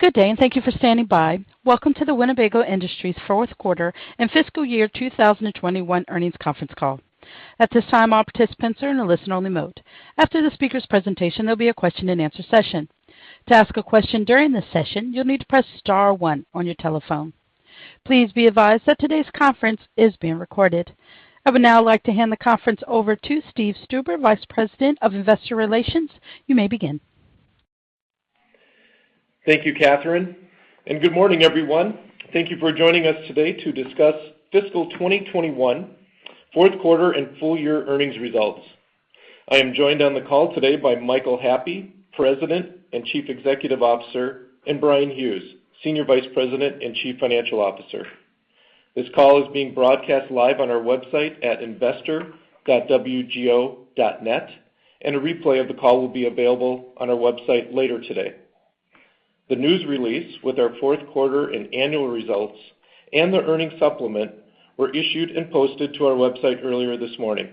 Good day, and thank you for standing by. Welcome to the Winnebago Industries fourth quarter and fiscal year 2021 earnings conference call. At this time all participants are in a listen only mode. After the speakers presentation, there will be a question and answer session. To ask a question during the session you'll need to please press star and one on your telephone. Please be advised that today's conference is being recorded. I would now like to hand the conference over to Steve Stuber, Vice President of Investor Relations. You may begin. Thank you, Catherine, and good morning, everyone. Thank you for joining us today to discuss fiscal 2021 fourth quarter and full year earnings results. I am joined on the call today by Michael Happe, President and Chief Executive Officer, and Bryan Hughes, Senior Vice President and Chief Financial Officer. This call is being broadcast live on our website at investor.wgo.net, and a replay of the call will be available on our website later today. The news release with our fourth quarter and annual results and the earnings supplement were issued and posted to our website earlier this morning.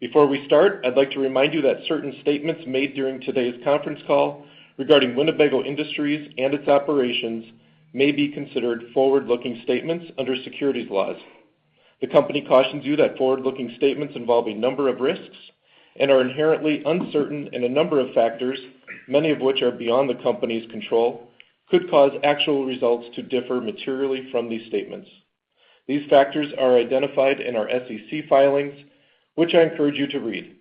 Before we start, I'd like to remind you that certain statements made during today's conference call regarding Winnebago Industries and its operations may be considered forward-looking statements under securities laws. The company cautions you that forward-looking statements involve a number of risks and are inherently uncertain, and a number of factors, many of which are beyond the company's control, could cause actual results to differ materially from these statements. These factors are identified in our SEC filings, which I encourage you to read.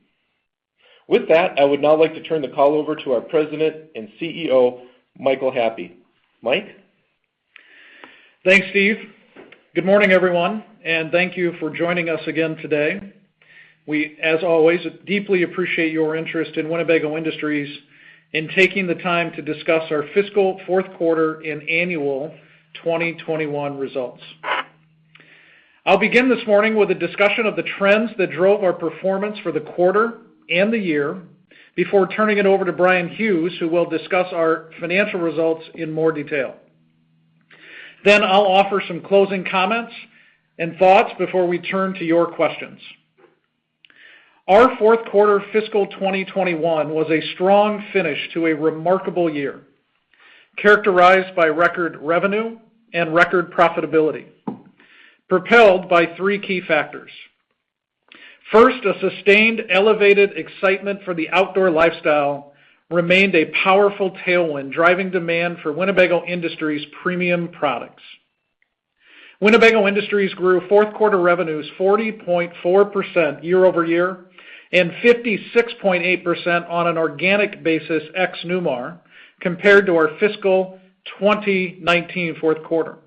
With that, I would now like to turn the call over to our President and CEO, Michael Happe. Mike? Thanks, Steve. Good morning, everyone, and thank you for joining us again today. We, as always, deeply appreciate your interest in Winnebago Industries in taking the time to discuss our fiscal fourth quarter and annual 2021 results. I'll begin this morning with a discussion of the trends that drove our performance for the quarter and the year before turning it over to Bryan Hughes, who will discuss our financial results in more detail. I'll offer some closing comments and thoughts before we turn to your questions. Our fourth quarter fiscal 2021 was a strong finish to a remarkable year, characterized by record revenue and record profitability, propelled by three key factors. First, a sustained elevated excitement for the outdoor lifestyle remained a powerful tailwind, driving demand for Winnebago Industries premium products. Winnebago Industries grew fourth quarter revenues 40.4% year-over-year and 56.8% on an organic basis ex-Newmar compared to our fiscal 2019 fourth quarter.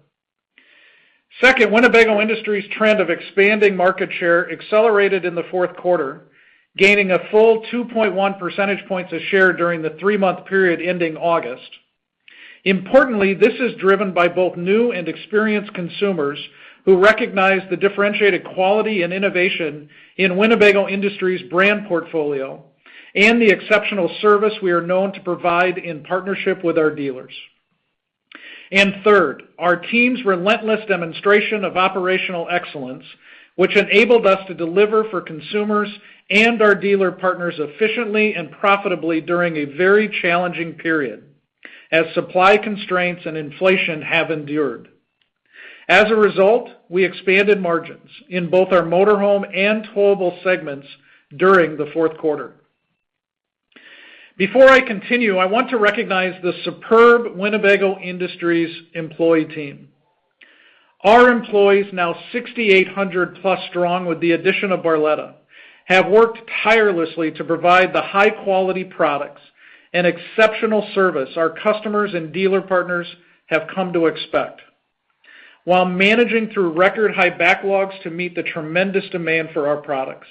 Second, Winnebago Industries' trend of expanding market share accelerated in the fourth quarter, gaining a full 2.1 percentage points of share during the three-month period ending August. Importantly, this is driven by both new and experienced consumers who recognize the differentiated quality and innovation in Winnebago Industries' brand portfolio and the exceptional service we are known to provide in partnership with our dealers. Third, our team's relentless demonstration of operational excellence, which enabled us to deliver for consumers and our dealer partners efficiently and profitably during a very challenging period as supply constraints and inflation have endured. As a result, we expanded margins in both our motorhome and towable segments during the fourth quarter. Before I continue, I want to recognize the superb Winnebago Industries employee team. Our employees, now 6,800+ strong with the addition of Barletta, have worked tirelessly to provide the high-quality products and exceptional service our customers and dealer partners have come to expect while managing through record-high backlogs to meet the tremendous demand for our products.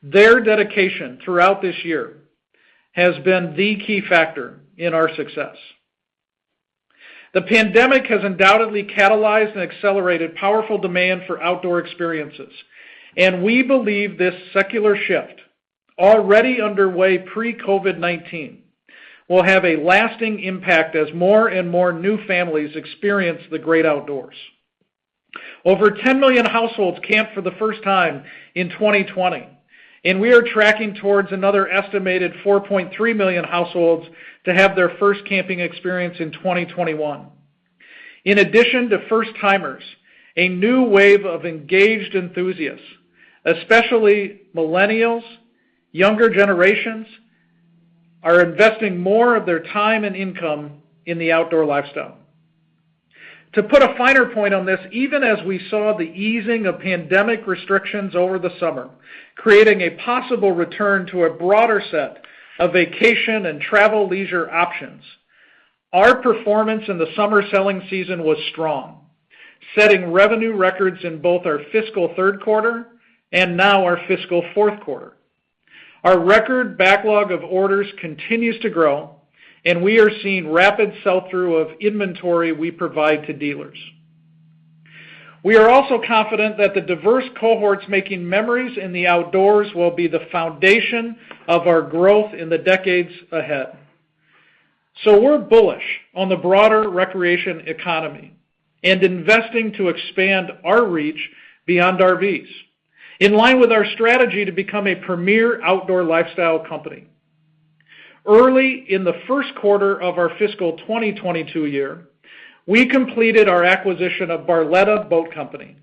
Their dedication throughout this year has been the key factor in our success. The pandemic has undoubtedly catalyzed and accelerated powerful demand for outdoor experiences. We believe this secular shift, already underway pre-COVID-19, will have a lasting impact as more and more new families experience the great outdoors. Over 10 million households camped for the first time in 2020. We are tracking towards another estimated 4.3 million households to have their first camping experience in 2021. In addition to first-timers, a new wave of engaged enthusiasts, especially millennials, younger generations, are investing more of their time and income in the outdoor lifestyle. To put a finer point on this, even as we saw the easing of pandemic restrictions over the summer, creating a possible return to a broader set of vacation and travel leisure options, our performance in the summer selling season was strong, setting revenue records in both our fiscal third quarter and now our fiscal fourth quarter. Our record backlog of orders continues to grow, and we are seeing rapid sell-through of inventory we provide to dealers. We are also confident that the diverse cohorts making memories in the outdoors will be the foundation of our growth in the decades ahead. We're bullish on the broader recreation economy and investing to expand our reach beyond RVs, in line with our strategy to become a premier outdoor lifestyle company. Early in the first quarter of our fiscal 202two year, we completed our acquisition Barletta Boat Company.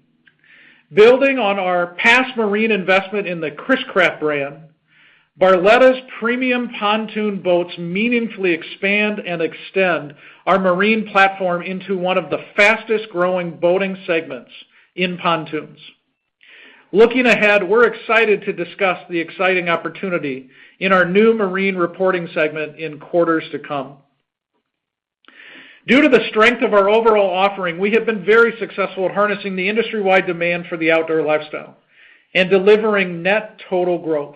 Building on our past marine investment in the Chris-Craft brand, Barletta's premium pontoon boats meaningfully expand and extend our marine platform into one of the fastest-growing boating segments in pontoons. Looking ahead, we're excited to discuss the exciting opportunity in our new marine reporting segment in quarters to come. Due to the strength of our overall offering, we have been very successful at harnessing the industry-wide demand for the outdoor lifestyle and delivering net total growth.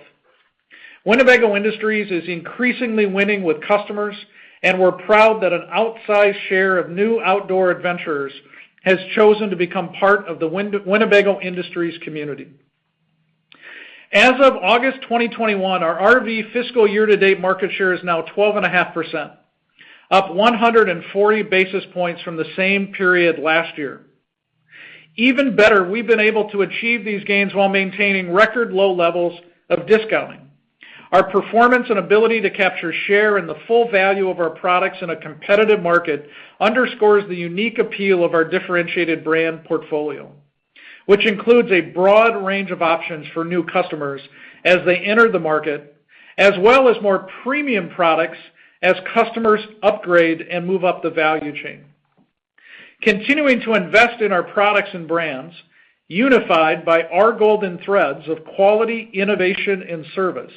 Winnebago Industries is increasingly winning with customers, and we're proud that an outsized share of new outdoor adventurers has chosen to become part of the Winnebago Industries community. As of August 2021, our RV fiscal year-to-date market share is now 12.5%, up 140 basis points from the same period last year. Even better, we've been able to achieve these gains while maintaining record low levels of discounting. Our performance and ability to capture share and the full value of our products in a competitive market underscores the unique appeal of our differentiated brand portfolio, which includes a broad range of options for new customers as they enter the market, as well as more premium products as customers upgrade and move up the value chain. Continuing to invest in our products and brands, unified by our golden threads of quality, innovation, and service,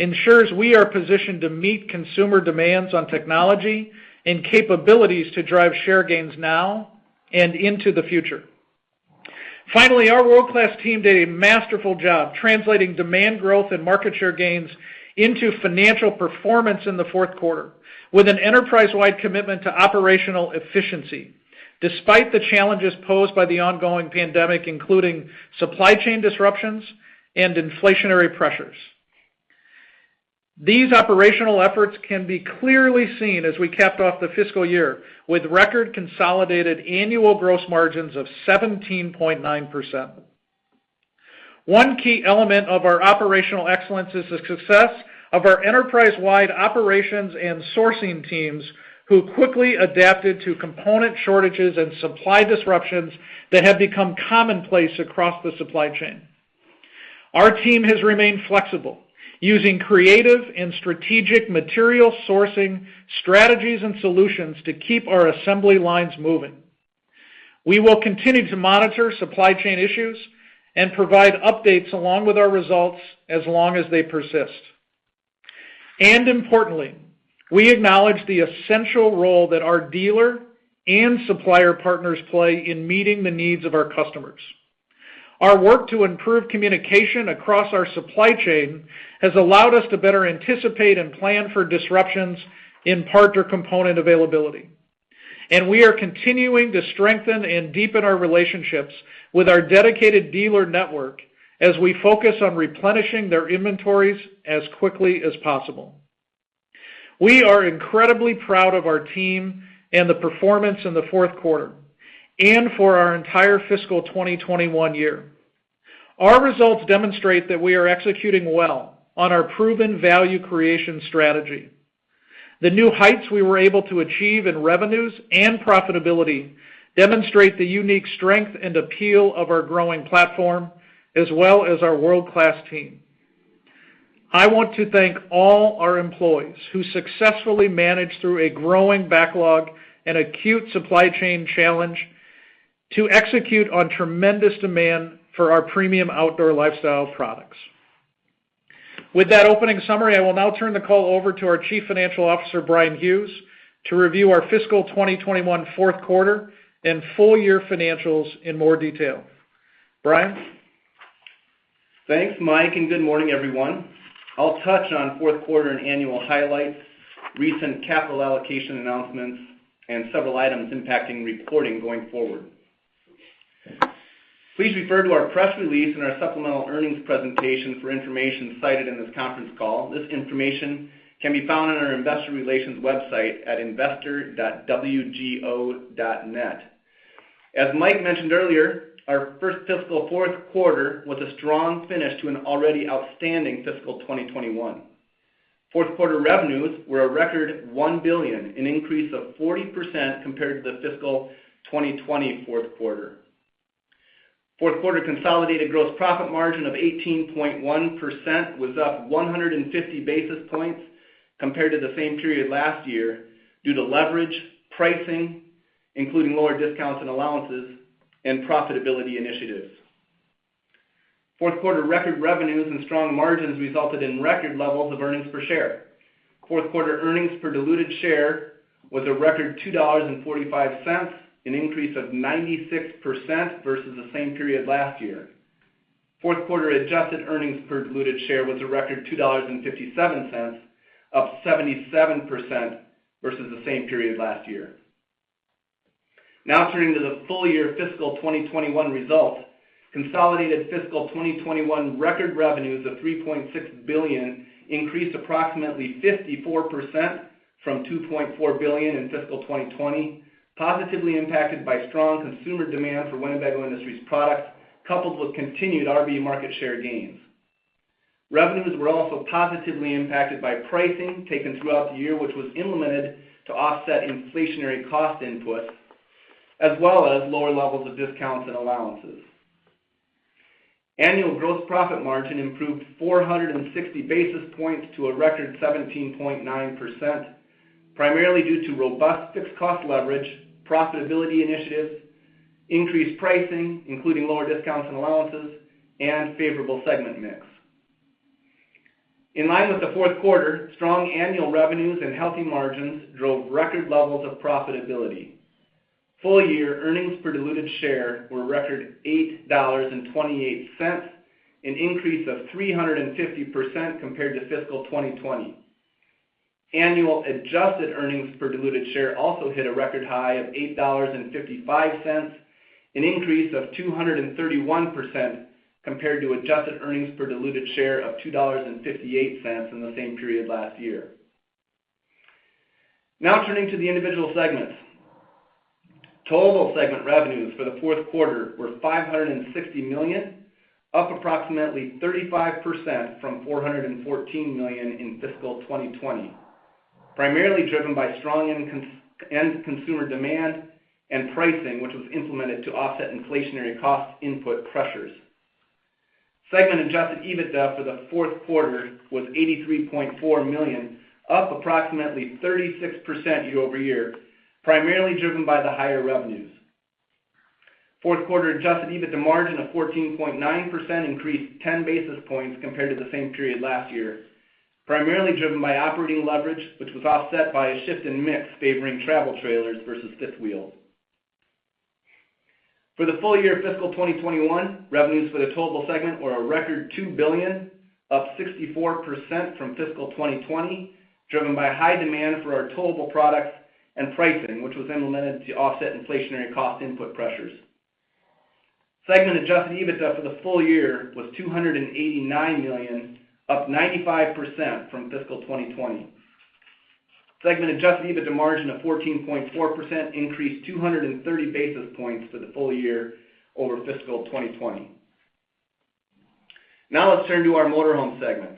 ensures we are positioned to meet consumer demands on technology and capabilities to drive share gains now and into the future. Finally, our world-class team did a masterful job translating demand growth and market share gains into financial performance in the fourth quarter, with an enterprise-wide commitment to operational efficiency, despite the challenges posed by the ongoing pandemic, including supply chain disruptions and inflationary pressures. These operational efforts can be clearly seen as we capped off the fiscal year with record consolidated annual gross margins of 17.9%. One key element of our operational excellence is the success of our enterprise-wide operations and sourcing teams, who quickly adapted to component shortages and supply disruptions that have become commonplace across the supply chain. Our team has remained flexible, using creative and strategic material sourcing strategies and solutions to keep our assembly lines moving. We will continue to monitor supply chain issues and provide updates along with our results as long as they persist. Importantly, we acknowledge the essential role that our dealer and supplier partners play in meeting the needs of our customers. Our work to improve communication across our supply chain has allowed us to better anticipate and plan for disruptions in part or component availability. We are continuing to strengthen and deepen our relationships with our dedicated dealer network as we focus on replenishing their inventories as quickly as possible. We are incredibly proud of our team and the performance in the fourth quarter and for our entire fiscal 2021 year. Our results demonstrate that we are executing well on our proven value creation strategy. The new heights we were able to achieve in revenues and profitability demonstrate the unique strength and appeal of our growing platform, as well as our world-class team. I want to thank all our employees who successfully managed through a growing backlog and acute supply chain challenge to execute on tremendous demand for our premium outdoor lifestyle products. With that opening summary, I will now turn the call over to our Chief Financial Officer, Bryan Hughes, to review our fiscal 2021 fourth quarter and full-year financials in more detail. Bryan? Thanks, Mike. Good morning, everyone. I'll touch on fourth quarter and annual highlights, recent capital allocation announcements, and several items impacting reporting going forward. Please refer to our press release and our supplemental earnings presentation for information cited in this conference call. This information can be found on our investor relations website at investor.wgo.net. As Mike mentioned earlier, our first fiscal fourth quarter was a strong finish to an already outstanding fiscal 2021. Fourth quarter revenues were a record $1 billion, an increase of 40% compared to the fiscal 2020 fourth quarter. Fourth quarter consolidated gross profit margin of 18.1% was up 150 basis points compared to the same period last year due to leverage, pricing, including lower discounts and allowances, and profitability initiatives. Fourth quarter record revenues and strong margins resulted in record levels of earnings per share. Fourth quarter earnings per diluted share was a record $2.45, an increase of 96% versus the same period last year. Fourth quarter adjusted earnings per diluted share was a record $2.57, up 77% versus the same period last year. Now turning to the full year fiscal 2021 results. Consolidated fiscal 2021 record revenues of $3.6 billion increased approximately 54% from $2.4 billion in fiscal 2020, positively impacted by strong consumer demand for Winnebago Industries products, coupled with continued RV market share gains. Revenues were also positively impacted by pricing taken throughout the year, which was implemented to offset inflationary cost inputs as well as lower levels of discounts and allowances. Annual gross profit margin improved 460 basis points to a record 17.9%, primarily due to robust fixed cost leverage, profitability initiatives, increased pricing, including lower discounts and allowances, and favorable segment mix. In line with the fourth quarter, strong annual revenues and healthy margins drove record levels of profitability. Full year earnings per diluted share were a record $8.28, an increase of 350% compared to fiscal 2020. Annual adjusted earnings per diluted share also hit a record high of $8.55, an increase of 231% compared to adjusted earnings per diluted share of $2.58 in the same period last year. Turning to the individual segments. towable segment revenues for the fourth quarter were $560 million, up approximately 35% from $414 million in fiscal 2020, primarily driven by strong end consumer demand and pricing, which was implemented to offset inflationary cost input pressures. Segment adjusted EBITDA for the fourth quarter was $83.4 million, up approximately 36% year-over-year, primarily driven by the higher revenues. Fourth quarter adjusted EBITDA margin of 14.9% increased 10 basis points compared to the same period last year, primarily driven by operating leverage, which was offset by a shift in mix favoring travel trailers versus fifth wheel. For the full year fiscal 2021, revenues for the towable segment were a record $2 billion, up 64% from fiscal 2020, driven by high demand for our towable products and pricing, which was implemented to offset inflationary cost input pressures. Segment adjusted EBITDA for the full year was $289 million, up 95% from fiscal 2020. Segment adjusted EBITDA margin of 14.4% increased 230 basis points for the full year over fiscal 2020. Now let's turn to our motorhome segment.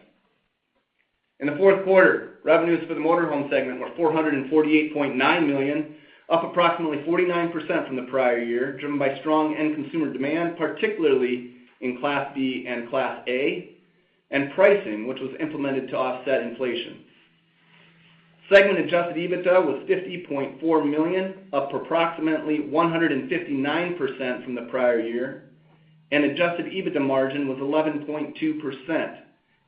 In the fourth quarter, revenues for the motorhome segment were $448.9 million, up approximately 49% from the prior year, driven by strong end consumer demand, particularly in Class B and Class A, and pricing, which was implemented to offset inflation. Segment adjusted EBITDA was $50.4 million, up approximately 159% from the prior year, and adjusted EBITDA margin was 11.2%,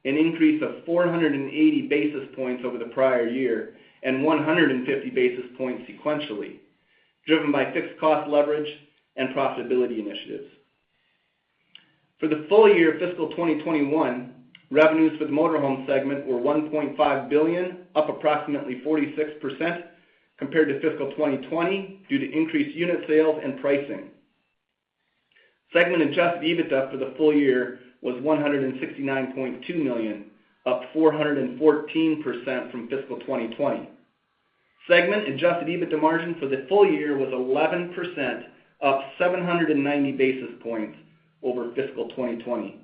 an increase of 480 basis points over the prior year and 150 basis points sequentially, driven by fixed cost leverage and profitability initiatives. For the full year fiscal 2021, revenues for the motorhome segment were $1.5 billion, up approximately 46% compared to fiscal 2020 due to increased unit sales and pricing. Segment adjusted EBITDA for the full year was $169.2 million, up 414% from fiscal 2020. Segment adjusted EBITDA margin for the full year was 11%, up 790 basis points over fiscal 2020.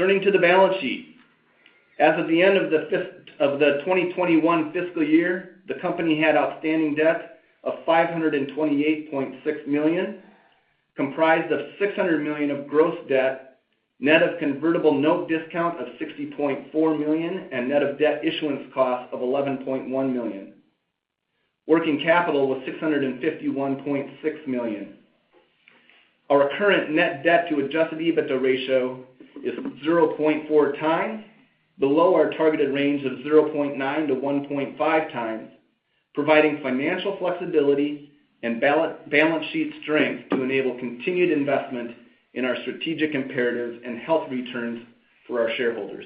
Turning to the balance sheet. As of the end of the 2021 fiscal year, the company had outstanding debt of $528.6 million, comprised of $600 million of gross debt, net of convertible note discount of $60.4 million, and net of debt issuance cost of $11.1 million. Working capital was $651.6 million. Our current net debt to adjusted EBITDA ratio is 0.4 times, below our targeted range of 0.9-1.5 times, providing financial flexibility and balance sheet strength to enable continued investment in our strategic imperatives and healthy returns for our shareholders.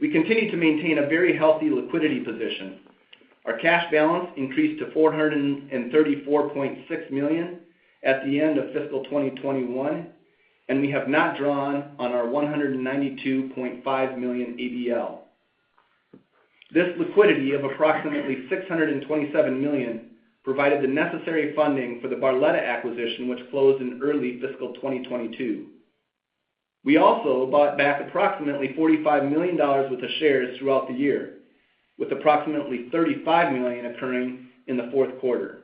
We continue to maintain a very healthy liquidity position. Our cash balance increased to $434.6 million at the end of fiscal 2021, and we have not drawn on our $192.5 million ABL. This liquidity of approximately $627 million provided the necessary funding for the Barletta acquisition which closed in early fiscal 2022. We also bought back approximately $45 million worth of shares throughout the year, with approximately $35 million occurring in the fourth quarter.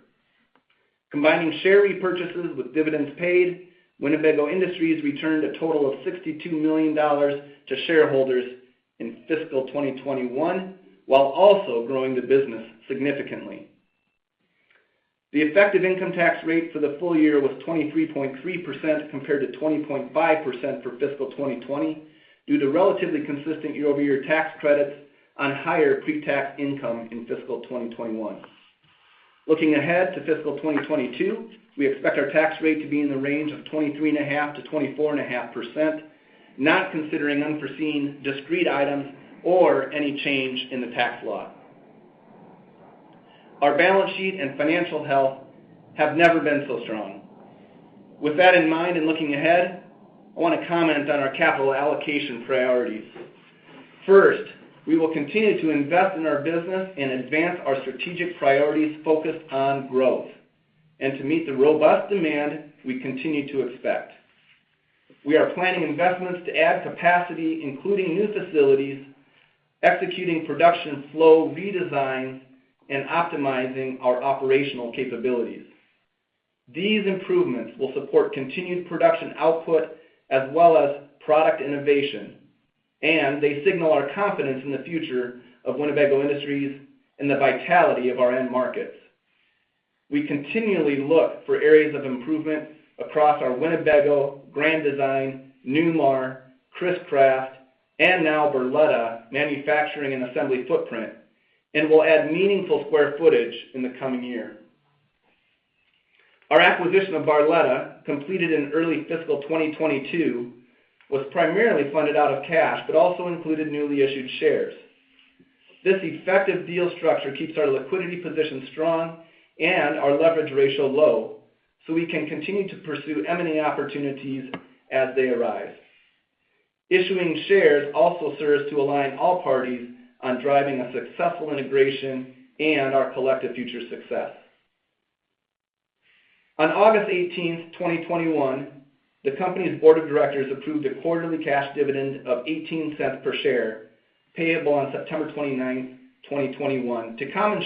Combining share repurchases with dividends paid, Winnebago Industries returned a total of $62 million to shareholders in fiscal 2021, while also growing the business significantly. The effective income tax rate for the full year was 23.3% compared to 20.5% for fiscal 2020 due to relatively consistent year-over-year tax credits on higher pre-tax income in fiscal 2021. Looking ahead to fiscal 2022, we expect our tax rate to be in the range of 23.5%-24.5%. Not considering unforeseen discrete items or any change in the tax law. Our balance sheet and financial health have never been so strong. With that in mind and looking ahead, I want to comment on our capital allocation priorities. First, we will continue to invest in our business and advance our strategic priorities focused on growth and to meet the robust demand we continue to expect. We are planning investments to add capacity, including new facilities, executing production flow redesigns, and optimizing our operational capabilities. These improvements will support continued production output as well as product innovation, and they signal our confidence in the future of Winnebago Industries and the vitality of our end markets. We continually look for areas of improvement across our Winnebago, Grand Design, Newmar, Chris-Craft, and now Barletta manufacturing and assembly footprint, and we'll add meaningful square footage in the coming year. Our acquisition of Barletta, completed in early fiscal 2022, was primarily funded out of cash, but also included newly issued shares. This effective deal structure keeps our liquidity position strong and our leverage ratio low so we can continue to pursue M&A opportunities as they arise. Issuing shares also serves to align all parties on driving a successful integration and our collective future success. On August 18th, 2021, the company's board of directors approved a quarterly cash dividend of $0.18 per share, payable on September 29th, 2021 to common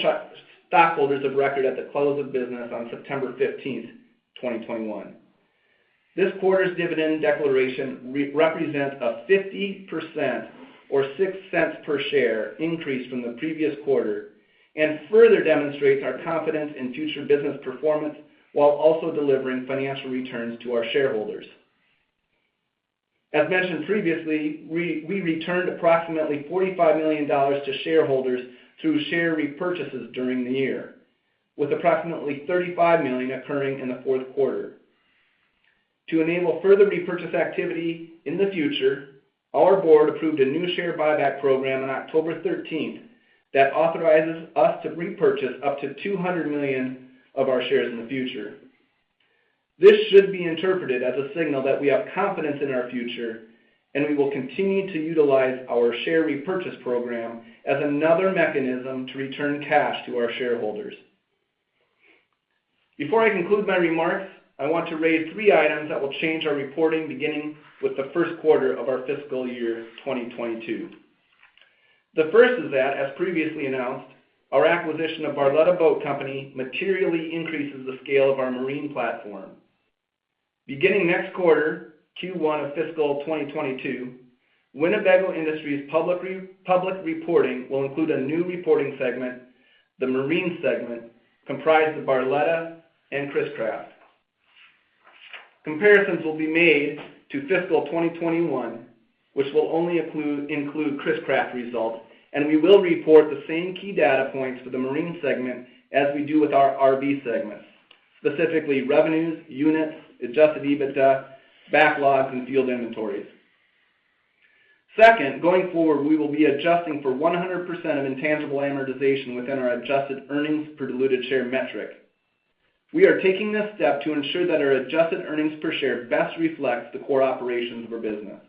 stockholders of record at the close of business on September 15th, 2021. This quarter's dividend declaration represents a 50%, or $0.06 per share increase from the previous quarter and further demonstrates our confidence in future business performance, while also delivering financial returns to our shareholders. As mentioned previously, we returned approximately $45 million to shareholders through share repurchases during the year, with approximately $35 million occurring in the fourth quarter. To enable further repurchase activity in the future, our board approved a new share buyback program on October 13th that authorizes us to repurchase up to $200 million of our shares in the future. This should be interpreted as a signal that we have confidence in our future and we will continue to utilize our share repurchase program as another mechanism to return cash to our shareholders. Before I conclude my remarks, I want to raise three items that will change our reporting beginning with the first quarter of our fiscal year 2022. The first is that, as previously announced, our acquisition Barletta Boat Company materially increases the scale of our marine platform. Beginning next quarter, Q1 of fiscal 2022, Winnebago Industries public reporting will include a new reporting segment, the marine segment, comprised of Barletta and Chris-Craft. Comparisons will be made to fiscal 2021, which will only include Chris-Craft results, and we will report the same key data points for the marine segment as we do with our RV segments, specifically revenues, units, adjusted EBITDA, backlogs, and field inventories. Second, going forward, we will be adjusting for 100% of intangible amortization within our adjusted earnings per diluted share metric. We are taking this step to ensure that our adjusted earnings per share best reflects the core operations of our business.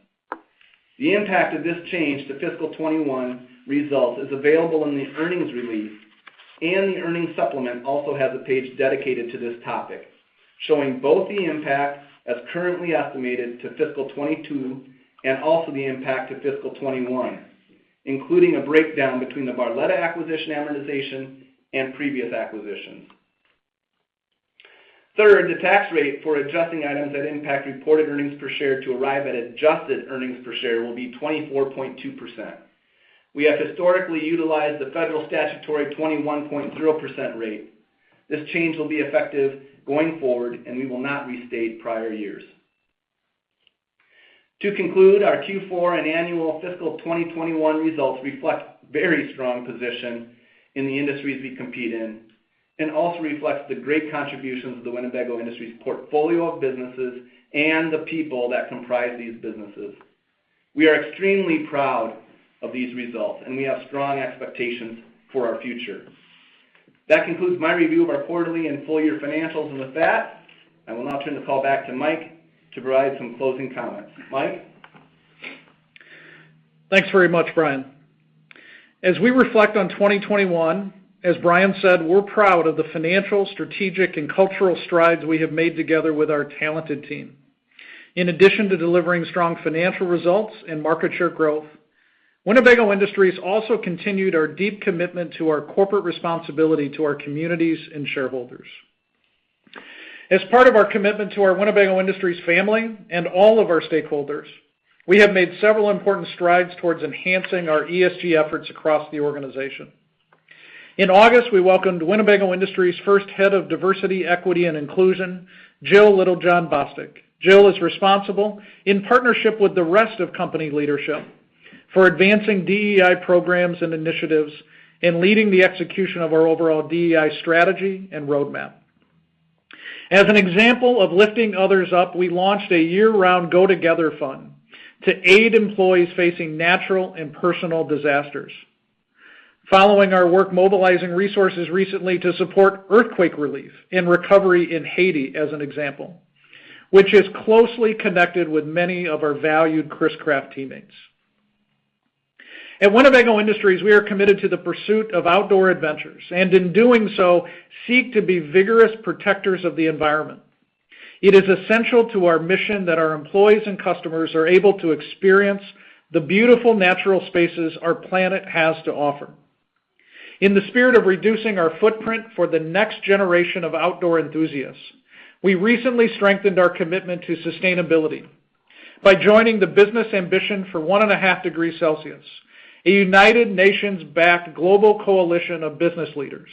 The impact of this change to fiscal 2021 results is available in the earnings release, and the earnings supplement also has a page dedicated to this topic, showing both the impact as currently estimated to fiscal 2022, and also the impact to fiscal 2021, including a breakdown between the Barletta acquisition amortization and previous acquisitions. Third, the tax rate for adjusting items that impact reported earnings per share to arrive at adjusted earnings per share will be 24.2%. We have historically utilized the federal statutory 21.0% rate. This change will be effective going forward, and we will not restate prior years. To conclude, our Q4 and annual fiscal 2021 results reflect very strong position in the industries we compete in and also reflects the great contributions of the Winnebago Industries portfolio of businesses and the people that comprise these businesses. We are extremely proud of these results and we have strong expectations for our future. That concludes my review of our quarterly and full year financials. With that, I will now turn the call back to Mike to provide some closing comments. Mike? Thanks very much, Bryan. As we reflect on 2021, as Bryan said, we're proud of the financial, strategic, and cultural strides we have made together with our talented team. In addition to delivering strong financial results and market share growth, Winnebago Industries also continued our deep commitment to our corporate responsibility to our communities and shareholders. As part of our commitment to our Winnebago Industries family and all of our stakeholders, we have made several important strides towards enhancing our ESG efforts across the organization. In August, we welcomed Winnebago Industries' first head of diversity, equity, and inclusion, Jil Littlejohn Bostick. Jil is responsible, in partnership with the rest of company leadership, for advancing DEI programs and initiatives and leading the execution of our overall DEI strategy and roadmap. As an example of lifting others up, we launched a year-round GO Together Fund to aid employees facing natural and personal disasters. Following our work mobilizing resources recently to support earthquake relief and recovery in Haiti, as an example, which is closely connected with many of our valued Chris-Craft teammates. At Winnebago Industries, we are committed to the pursuit of outdoor adventures, and in doing so, seek to be vigorous protectors of the environment. It is essential to our mission that our employees and customers are able to experience the beautiful natural spaces our planet has to offer. In the spirit of reducing our footprint for the next generation of outdoor enthusiasts, we recently strengthened our commitment to sustainability by joining the Business Ambition for 1.5 degrees Celsius, a United Nations-backed global coalition of business leaders.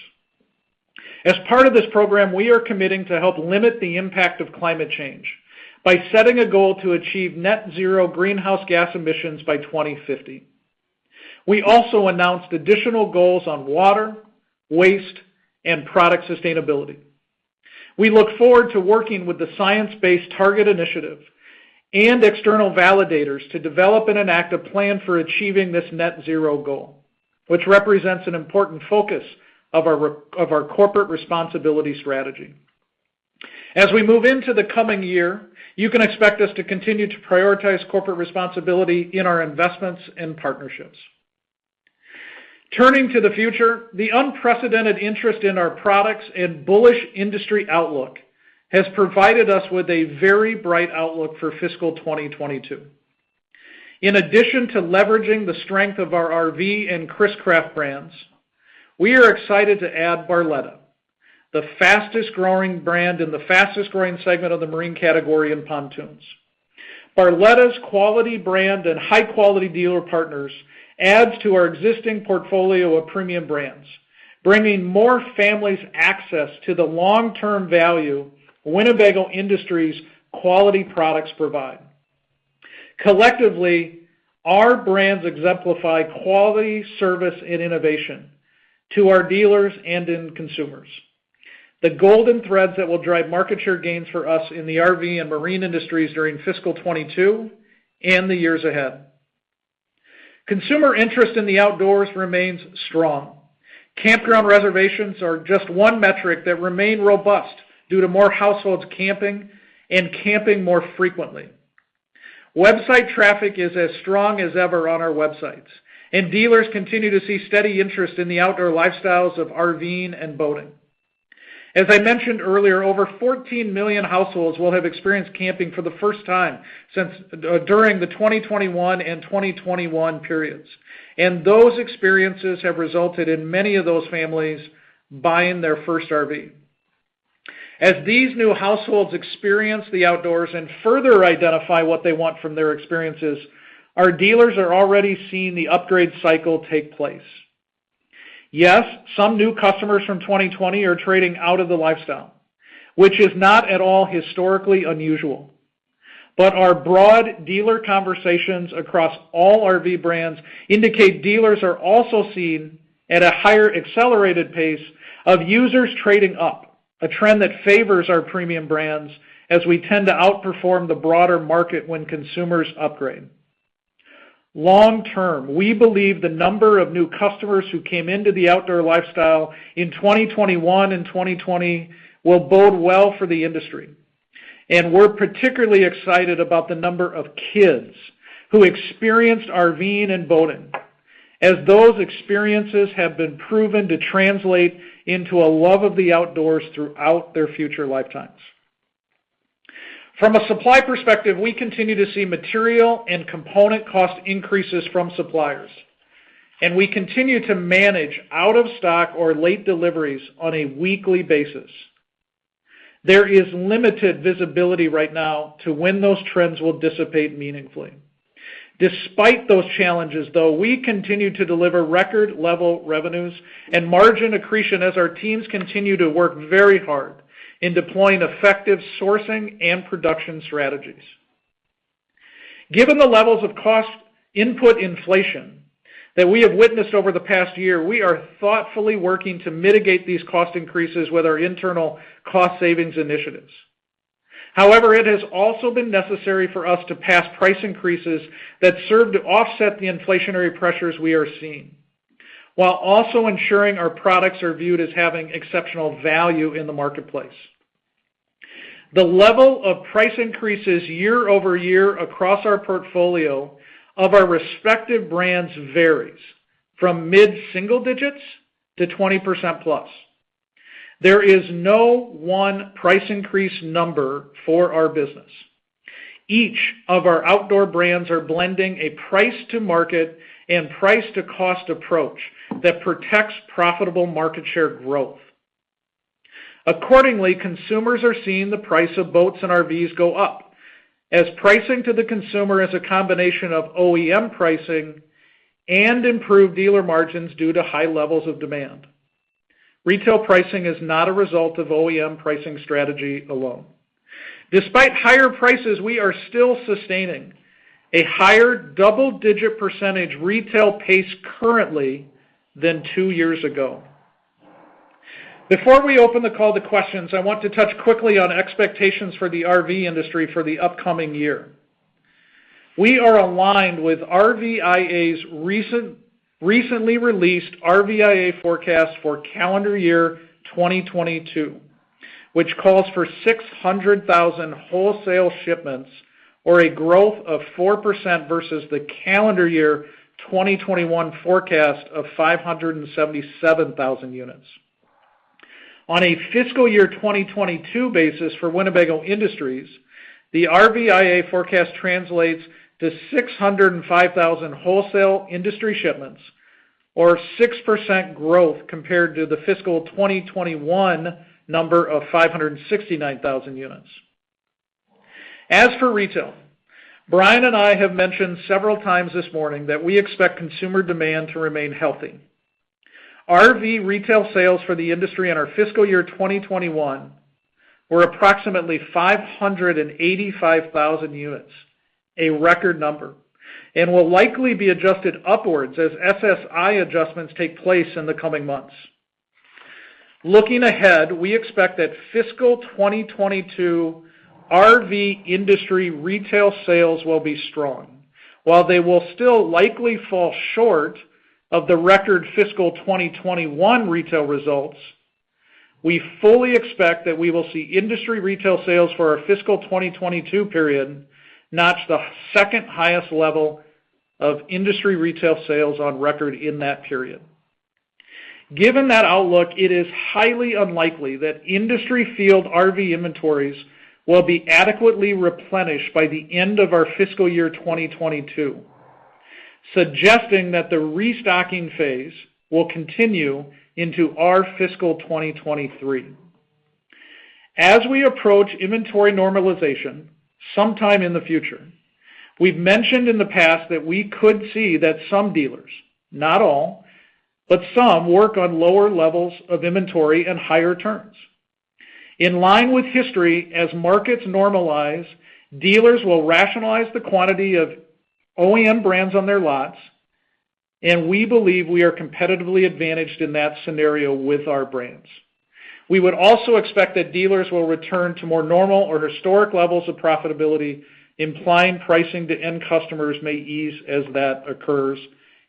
As part of this program, we are committing to help limit the impact of climate change by setting a goal to achieve net zero greenhouse gas emissions by 2050. We also announced additional goals on water, waste, and product sustainability. We look forward to working with the Science Based Targets initiative and external validators to develop and enact a plan for achieving this net zero goal, which represents an important focus of our corporate responsibility strategy. As we move into the coming year, you can expect us to continue to prioritize corporate responsibility in our investments and partnerships. Turning to the future, the unprecedented interest in our products and bullish industry outlook has provided us with a very bright outlook for fiscal 2022. In addition to leveraging the strength of our RV and Chris-Craft brands, we are excited to add Barletta, the fastest-growing brand in the fastest-growing segment of the marine category in pontoons. Barletta's quality brand and high-quality dealer partners adds to our existing portfolio of premium brands, bringing more families access to the long-term value Winnebago Industries quality products provide. Collectively, our brands exemplify quality service and innovation to our dealers and end consumers. The golden threads that will drive market share gains for us in the RV and marine industries during fiscal 2022 and the years ahead. Consumer interest in the outdoors remains strong. Campground reservations are just one metric that remain robust due to more households camping and camping more frequently. Website traffic is as strong as ever on our websites, and dealers continue to see steady interest in the outdoor lifestyles of RV-ing and boating. As I mentioned earlier, over 14 million households will have experienced camping for the first time during the 2021 and 2021 periods, and those experiences have resulted in many of those families buying their first RV. As these new households experience the outdoors and further identify what they want from their experiences, our dealers are already seeing the upgrade cycle take place. Yes, some new customers from 2020 are trading out of the lifestyle, which is not at all historically unusual. Our broad dealer conversations across all RV brands indicate dealers are also seeing at a higher accelerated pace of users trading up, a trend that favors our premium brands as we tend to outperform the broader market when consumers upgrade. Long-term, we believe the number of new customers who came into the outdoor lifestyle in 2021 and 2020 will bode well for the industry. We're particularly excited about the number of kids who experienced RVing and boating, as those experiences have been proven to translate into a love of the outdoors throughout their future lifetimes. From a supply perspective, we continue to see material and component cost increases from suppliers. We continue to manage out of stock or late deliveries on a weekly basis. There is limited visibility right now to when those trends will dissipate meaningfully. Despite those challenges, though, we continue to deliver record level revenues and margin accretion as our teams continue to work very hard in deploying effective sourcing and production strategies. Given the levels of cost input inflation that we have witnessed over the past year, we are thoughtfully working to mitigate these cost increases with our internal cost savings initiatives. However, it has also been necessary for us to pass price increases that serve to offset the inflationary pressures we are seeing, while also ensuring our products are viewed as having exceptional value in the marketplace. The level of price increases year-over-year across our portfolio of our respective brands varies from mid-single digits to 20%+. There is no one price increase number for our business. Each of our outdoor brands are blending a price-to-market and price-to-cost approach that protects profitable market share growth. Accordingly, consumers are seeing the price of boats and RVs go up as pricing to the consumer is a combination of OEM pricing and improved dealer margins due to high levels of demand. Retail pricing is not a result of OEM pricing strategy alone. Despite higher prices, we are still sustaining a higher double-digit percentage retail pace currently than two years ago. Before we open the call to questions, I want to touch quickly on expectations for the RV industry for the upcoming year. We are aligned with RVIA's recently released RVIA forecast for calendar year 2022, which calls for 600,000 wholesale shipments or a growth of 4% versus the calendar year 2021 forecast of 577,000 units. On a fiscal year 2022 basis for Winnebago Industries, the RVIA forecast translates to 605,000 wholesale industry shipments or 6% growth compared to the fiscal 2021 number of 569,000 units. As for retail, Bryan and I have mentioned several times this morning that we expect consumer demand to remain healthy. RV retail sales for the industry in our fiscal year 2021 were approximately 585,000 units, a record number, and will likely be adjusted upwards as SSI adjustments take place in the coming months. Looking ahead, we expect that fiscal 2022 RV industry retail sales will be strong. While they will still likely fall short of the record fiscal 2021 retail results, we fully expect that we will see industry retail sales for our fiscal 2022 period notch the second-highest level of industry retail sales on record in that period. Given that outlook, it is highly unlikely that industry field RV inventories will be adequately replenished by the end of our fiscal year 2022, suggesting that the restocking phase will continue into our fiscal 2023. As we approach inventory normalization sometime in the future, we've mentioned in the past that we could see that some dealers, not all, but some, work on lower levels of inventory and higher turns. In line with history, as markets normalize, dealers will rationalize the quantity of OEM brands on their lots, and we believe we are competitively advantaged in that scenario with our brands. We would also expect that dealers will return to more normal or historic levels of profitability, implying pricing to end customers may ease as that occurs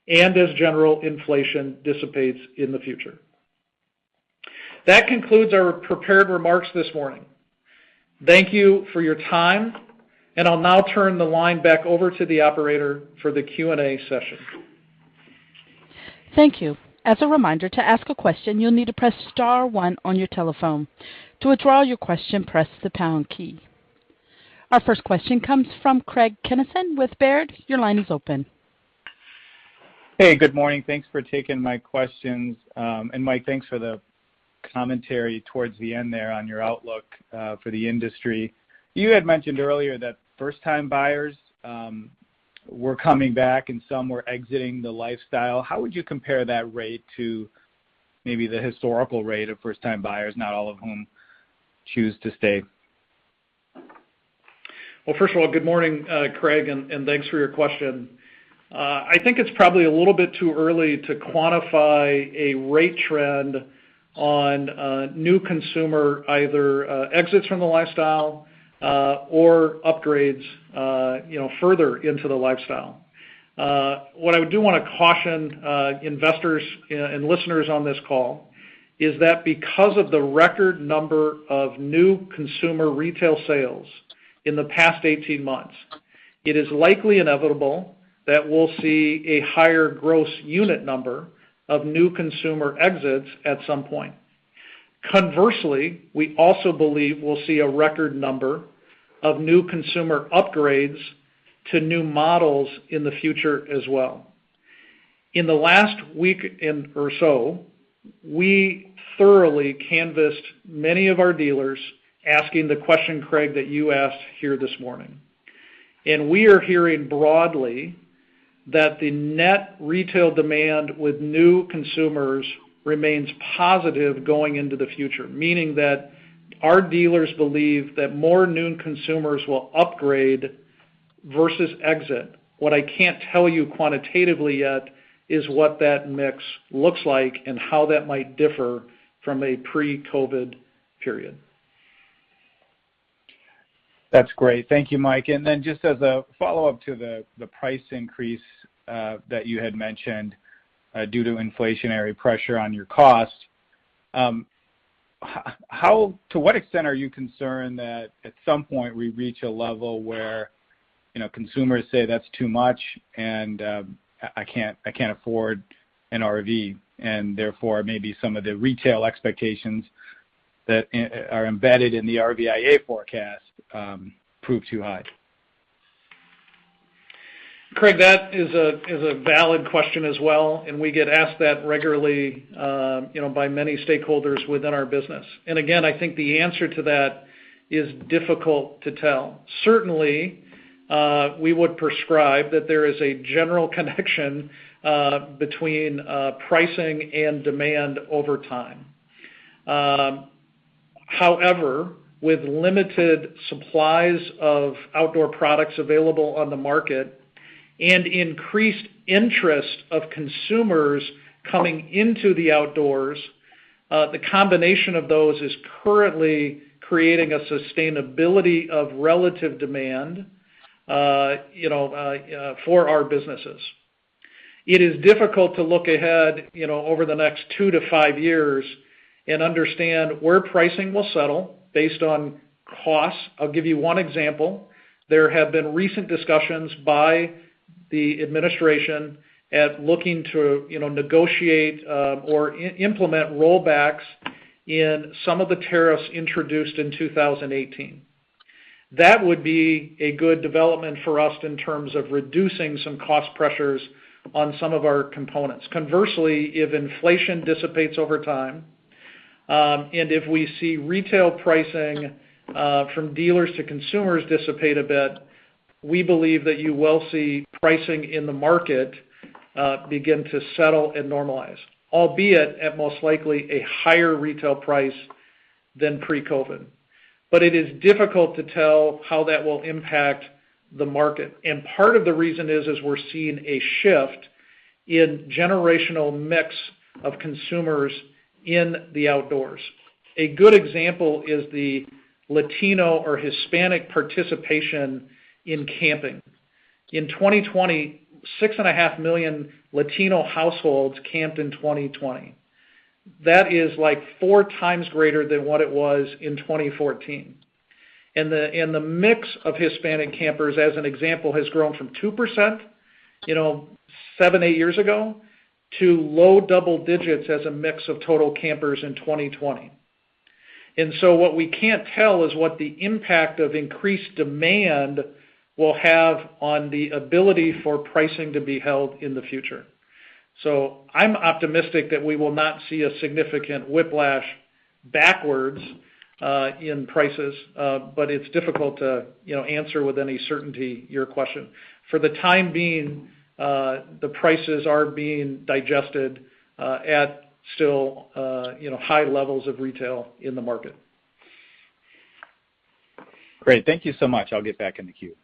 and as general inflation dissipates in the future. That concludes our prepared remarks this morning. Thank you for your time, and I'll now turn the line back over to the operator for the Q&A session. Thank you. As a reminder, to ask a question, you'll need to press star one on your telephone. To withdraw you question, press the pound key. Our first question comes from Craig Kennison with Baird. Your line is open. Hey, good morning. Thanks for taking my questions. Mike, thanks for the commentary towards the end there on your outlook for the industry. You had mentioned earlier that first-time buyers were coming back and some were exiting the lifestyle. How would you compare that rate to maybe the historical rate of first-time buyers, not all of whom choose to stay? Well, first of all, good morning, Craig, and thanks for your question. I think it's probably a little bit too early to quantify a rate trend on new consumer, either exits from the lifestyle or upgrades further into the lifestyle. What I do want to caution investors and listeners on this call is that because of the record number of new consumer retail sales in the past 18 months, it is likely inevitable that we'll see a higher gross unit number of new consumer exits at some point. Conversely, we also believe we'll see a record number of new consumer upgrades to new models in the future as well. In the last week or so, we thoroughly canvassed many of our dealers, asking the question, Craig, that you asked here this morning. We are hearing broadly that the net retail demand with new consumers remains positive going into the future, meaning that our dealers believe that more new consumers will upgrade versus exit. What I can't tell you quantitatively yet is what that mix looks like and how that might differ from a pre-COVID period. That's great. Thank you, Mike. Just as a follow-up to the price increase that you had mentioned due to inflationary pressure on your cost, to what extent are you concerned that at some point we reach a level where consumers say, "That's too much, and I can't afford an RV." Therefore, maybe some of the retail expectations that are embedded in the RVIA forecast prove too high? Craig, that is a valid question as well, and we get asked that regularly by many stakeholders within our business. Again, I think the answer to that is difficult to tell. Certainly we would prescribe that there is a general connection between pricing and demand over time. However, with limited supplies of outdoor products available on the market and increased interest of consumers coming into the outdoors, the combination of those is currently creating a sustainability of relative demand for our businesses. It is difficult to look ahead over the next two to five years and understand where pricing will settle based on costs. I'll give you on example. There have been recent discussions by the administration at looking to negotiate or implement rollbacks in some of the tariffs introduced in 2018. That would be a good development for us in terms of reducing some cost pressures on some of our components. Conversely, if inflation dissipates over time, if we see retail pricing from dealers to consumers dissipate a bit, we believe that you will see pricing in the market begin to settle and normalize, albeit at most likely a higher retail price than pre-COVID. It is difficult to tell how that will impact the market. Part of the reason is we're seeing a shift in generational mix of consumers in the outdoors. A good example is the Latino or Hispanic participation in camping. In 2020, 6.5 million Latino households camped in 2020. That is four times greater than what it was in 2014. The mix of Hispanic campers, as an example, has grown from 2% seven years, eight years ago, to low double digits as a mix of total campers in 2020. What we can't tell is what the impact of increased demand will have on the ability for pricing to be held in the future. I'm optimistic that we will not see a significant whiplash backwards in prices, but it's difficult to answer with any certainty your question. For the time being, the prices are being digested at still high levels of retail in the market. Great. Thank you so much. I'll get back in the queue.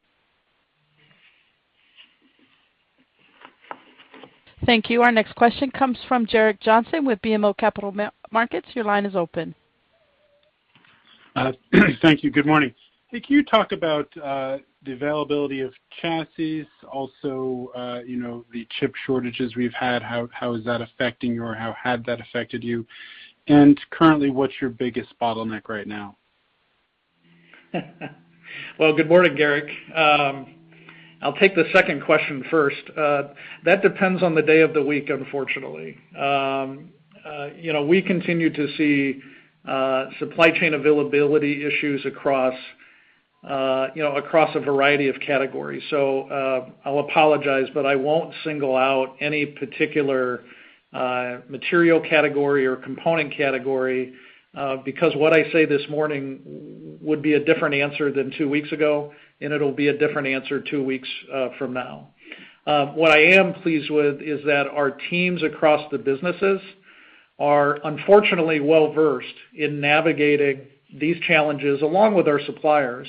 Thank you. Our next question comes from Gerrick Johnson with BMO Capital Markets. Your line is open. Thank you. Good morning. Can you talk about the availability of chassis, also the chip shortages we've had, how is that affecting you, or how had that affected you? Currently, what's your biggest bottleneck right now? Well, good morning, Gerrick. I'll take the second question first. That depends on the day of the week, unfortunately. We continue to see supply chain availability issues across a variety of categories. I'll apologize, but I won't single out any particular material category or component category, because what I say this morning would be a different answer than two weeks ago, and it'll be a different answer two weeks from now. What I am pleased with is that our teams across the businesses are unfortunately well-versed in navigating these challenges, along with our suppliers,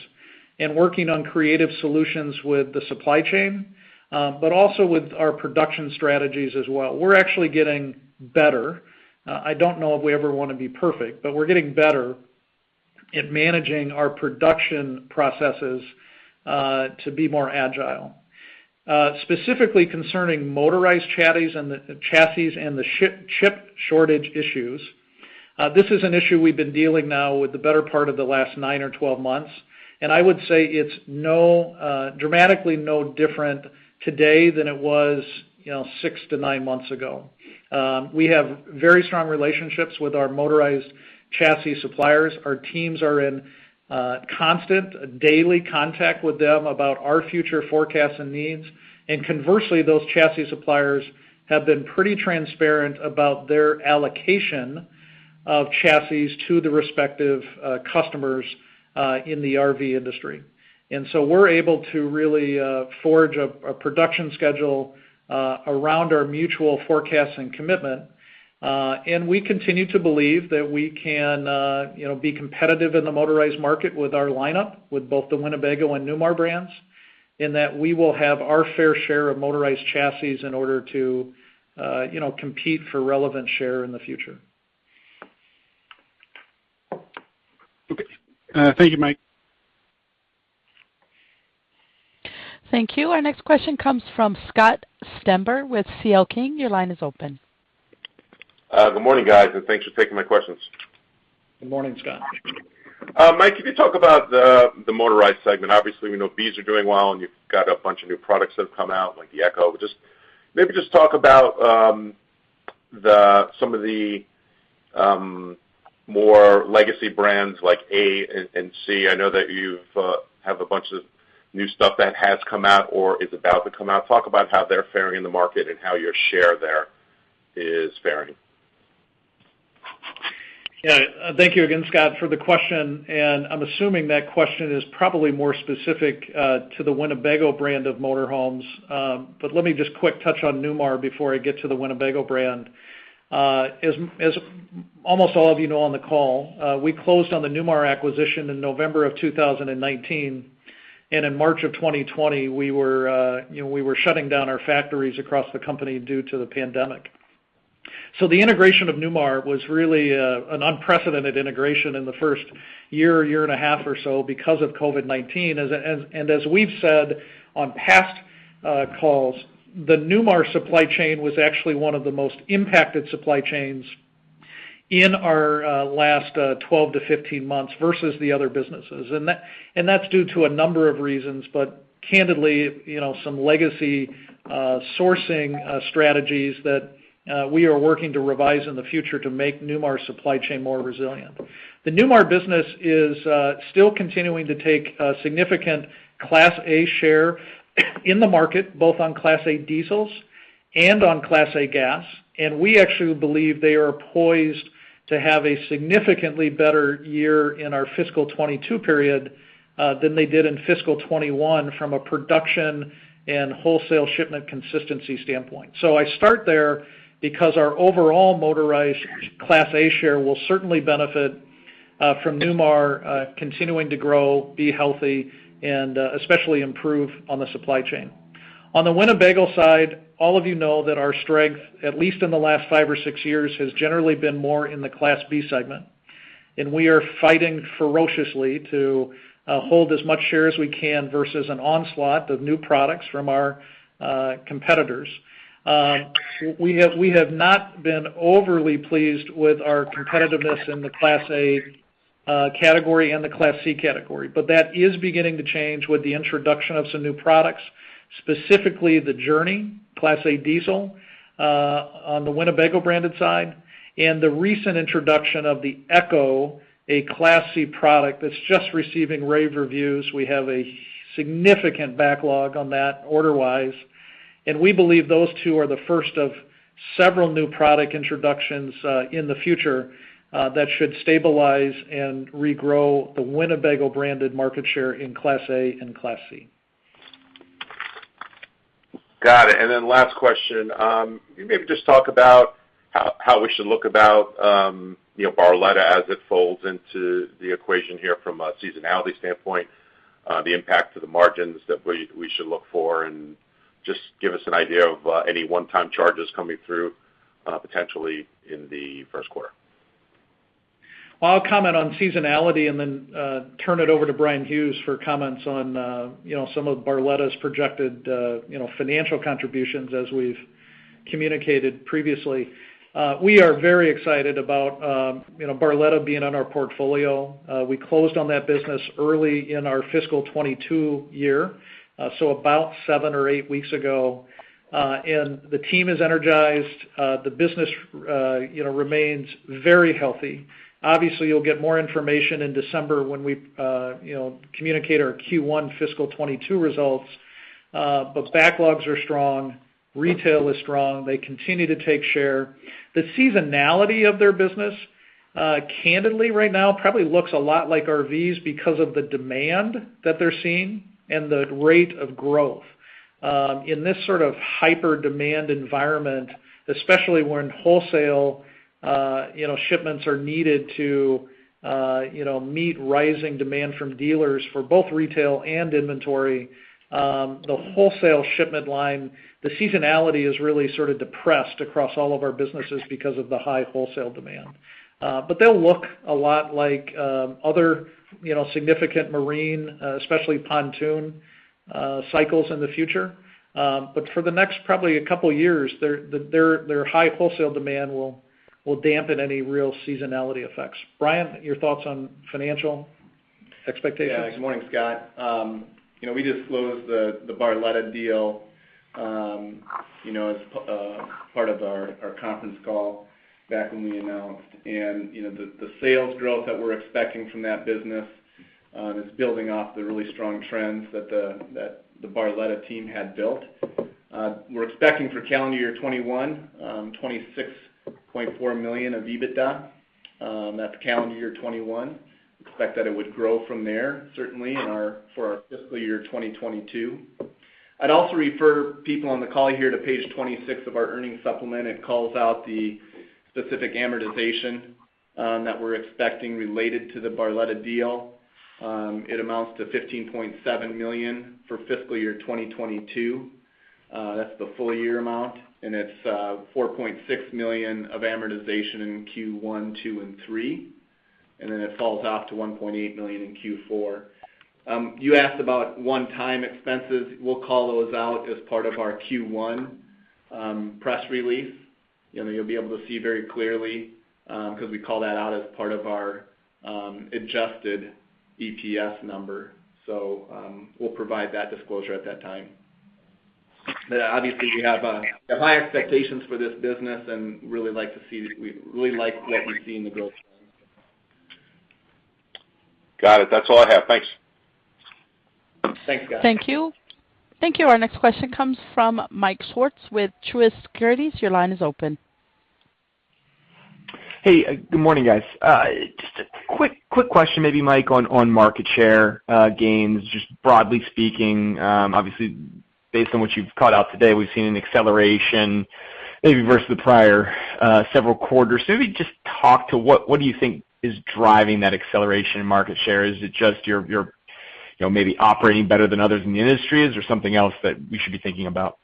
and working on creative solutions with the supply chain, but also with our production strategies as well. We're actually getting better. I don't know if we ever want to be perfect, but we're getting better at managing our production processes to be more agile. Specifically concerning motorized chassis and the chip shortage issues, this is an issue we've been dealing now with the better part of the last nine months or 12 months, and I would say it's dramatically no different today than it was six-nine months ago. We have very strong relationships with our motorized chassis suppliers. Our teams are in constant daily contact with them about our future forecasts and needs. Conversely, those chassis suppliers have been pretty transparent about their allocation of chassis to the respective customers in the RV industry. So we're able to really forge a production schedule around our mutual forecast and commitment. We continue to believe that we can be competitive in the motorized market with our lineup, with both the Winnebago and Newmar brands, and that we will have our fair share of motorized chassis in order to compete for relevant share in the future. Okay. Thank you, Mike. Thank you. Our next question comes from Scott Stember with CL King. Your line is open. Good morning, guys, and thanks for taking my questions. Good morning, Scott. Mike, can you talk about the motorized segment? Obviously, we know Bs are doing well and you've got a bunch of new products that have come out, like the EKKO. Maybe just talk about some of the more legacy brands like A and C. I know that you have a bunch of new stuff that has come out or is about to come out. Talk about how they're faring in the market and how your share there is faring. Yeah. Thank you again, Scott, for the question, and I'm assuming that question is probably more specific to the Winnebago brand of motor homes. Let me just quick touch on Newmar before I get to the Winnebago brand. As almost all of you know on the call, we closed on the Newmar acquisition in November of 2019, and in March of 2020, we were shutting down our factories across the company due to the pandemic. The integration of Newmar was really an unprecedented integration in the first year and a half or so because of COVID-19. As we've said on past calls, the Newmar supply chain was actually one of the most impacted supply chains in our last 12-15 months versus the other businesses. That's due to a number of reasons, but candidly, some legacy sourcing strategies that we are working to revise in the future to make Newmar's supply chain more resilient. The Newmar business is still continuing to take a significant Class A share in the market, both on Class A diesels and on Class A gas. We actually believe they are poised to have a significantly better year in our fiscal 2022 period, than they did in fiscal 2021 from a production and wholesale shipment consistency standpoint. I start there because our overall motorized Class A share will certainly benefit from Newmar continuing to grow, be healthy, and especially improve on the supply chain. On the Winnebago side, all of you know that our strength, at least in the last five or six years, has generally been more in the Class B segment, and we are fighting ferociously to hold as much share as we can versus an onslaught of new products from our competitors. We have not been overly pleased with our competitiveness in the Class A category and the Class C category. That is beginning to change with the introduction of some new products, specifically the Journey Class A diesel on the Winnebago-branded side, and the recent introduction of the EKKO, a Class C product that's just receiving rave reviews. We have a significant backlog on that order-wise, and we believe those two are the first of several new product introductions in the future that should stabilize and regrow the Winnebago-branded market share in Class A and Class C. Got it. Last question. Can you maybe just talk about how we should look about Barletta as it folds into the equation here from a seasonality standpoint, the impact to the margins that we should look for, and just give us an idea of any one-time charges coming through, potentially in the first quarter? I'll comment on seasonality and then turn it over to Bryan Hughes for comments on some of Barletta's projected financial contributions as we've communicated previously. We are very excited about Barletta being in our portfolio. We closed on that business early in our fiscal 202two year, so about seven weeks or eight weeks ago. The team is energized. The business remains very healthy. Obviously, you'll get more information in December when we communicate our Q1 fiscal 2022 results. Backlogs are strong, retail is strong. They continue to take share. The seasonality of their business, candidly right now, probably looks a lot like RVs because of the demand that they're seeing and the rate of growth. In this sort of hyper-demand environment, especially when wholesale shipments are needed to meet rising demand from dealers for both retail and inventory, the wholesale shipment line, the seasonality is really sort of depressed across all of our businesses because of the high wholesale demand. They'll look a lot like other significant marine, especially pontoon cycles in the future. For the next probably a couple of years, their high wholesale demand will dampen any real seasonality effects. Bryan, your thoughts on financial expectations? Yeah. Good morning, Scott. We just closed the Barletta deal as part of our conference call back when we announced. The sales growth that we're expecting from that business is building off the really strong trends that the Barletta team had built. We're expecting for calendar year 2021, $26.4 million of EBITDA. That's calendar year 2021. Expect that it would grow from there, certainly, for our fiscal year 2022. I'd also refer people on the call here to page 26 of our earnings supplement. It calls out the specific amortization that we're expecting related to the Barletta deal. It amounts to $15.7 million for fiscal year 2022. That's the full-year amount, and it's $4.6 million of amortization in Q1, Q2, and Q3, and then it falls off to $1.8 million in Q4. You asked about one-time expenses. We'll call those out as part of our Q1 press release. You'll be able to see very clearly because we call that out as part of our adjusted EPS number. We'll provide that disclosure at that time. Obviously we have high expectations for this business and we really like what we see in the growth... Got it. That's all I have. Thanks. Thanks, guys. Thank you. Thank you. Our next question comes from Mike Swartz with Truist Securities. Your line is open. Hey, good morning, guys. Just a quick question, maybe Mike, on market share gains, just broadly speaking. Obviously, based on what you've called out today, we've seen an acceleration, maybe versus the prior several quarters. Maybe just talk to what do you think is driving that acceleration in market share? Is it just you're maybe operating better than others in the industry? Is there something else that we should be thinking about?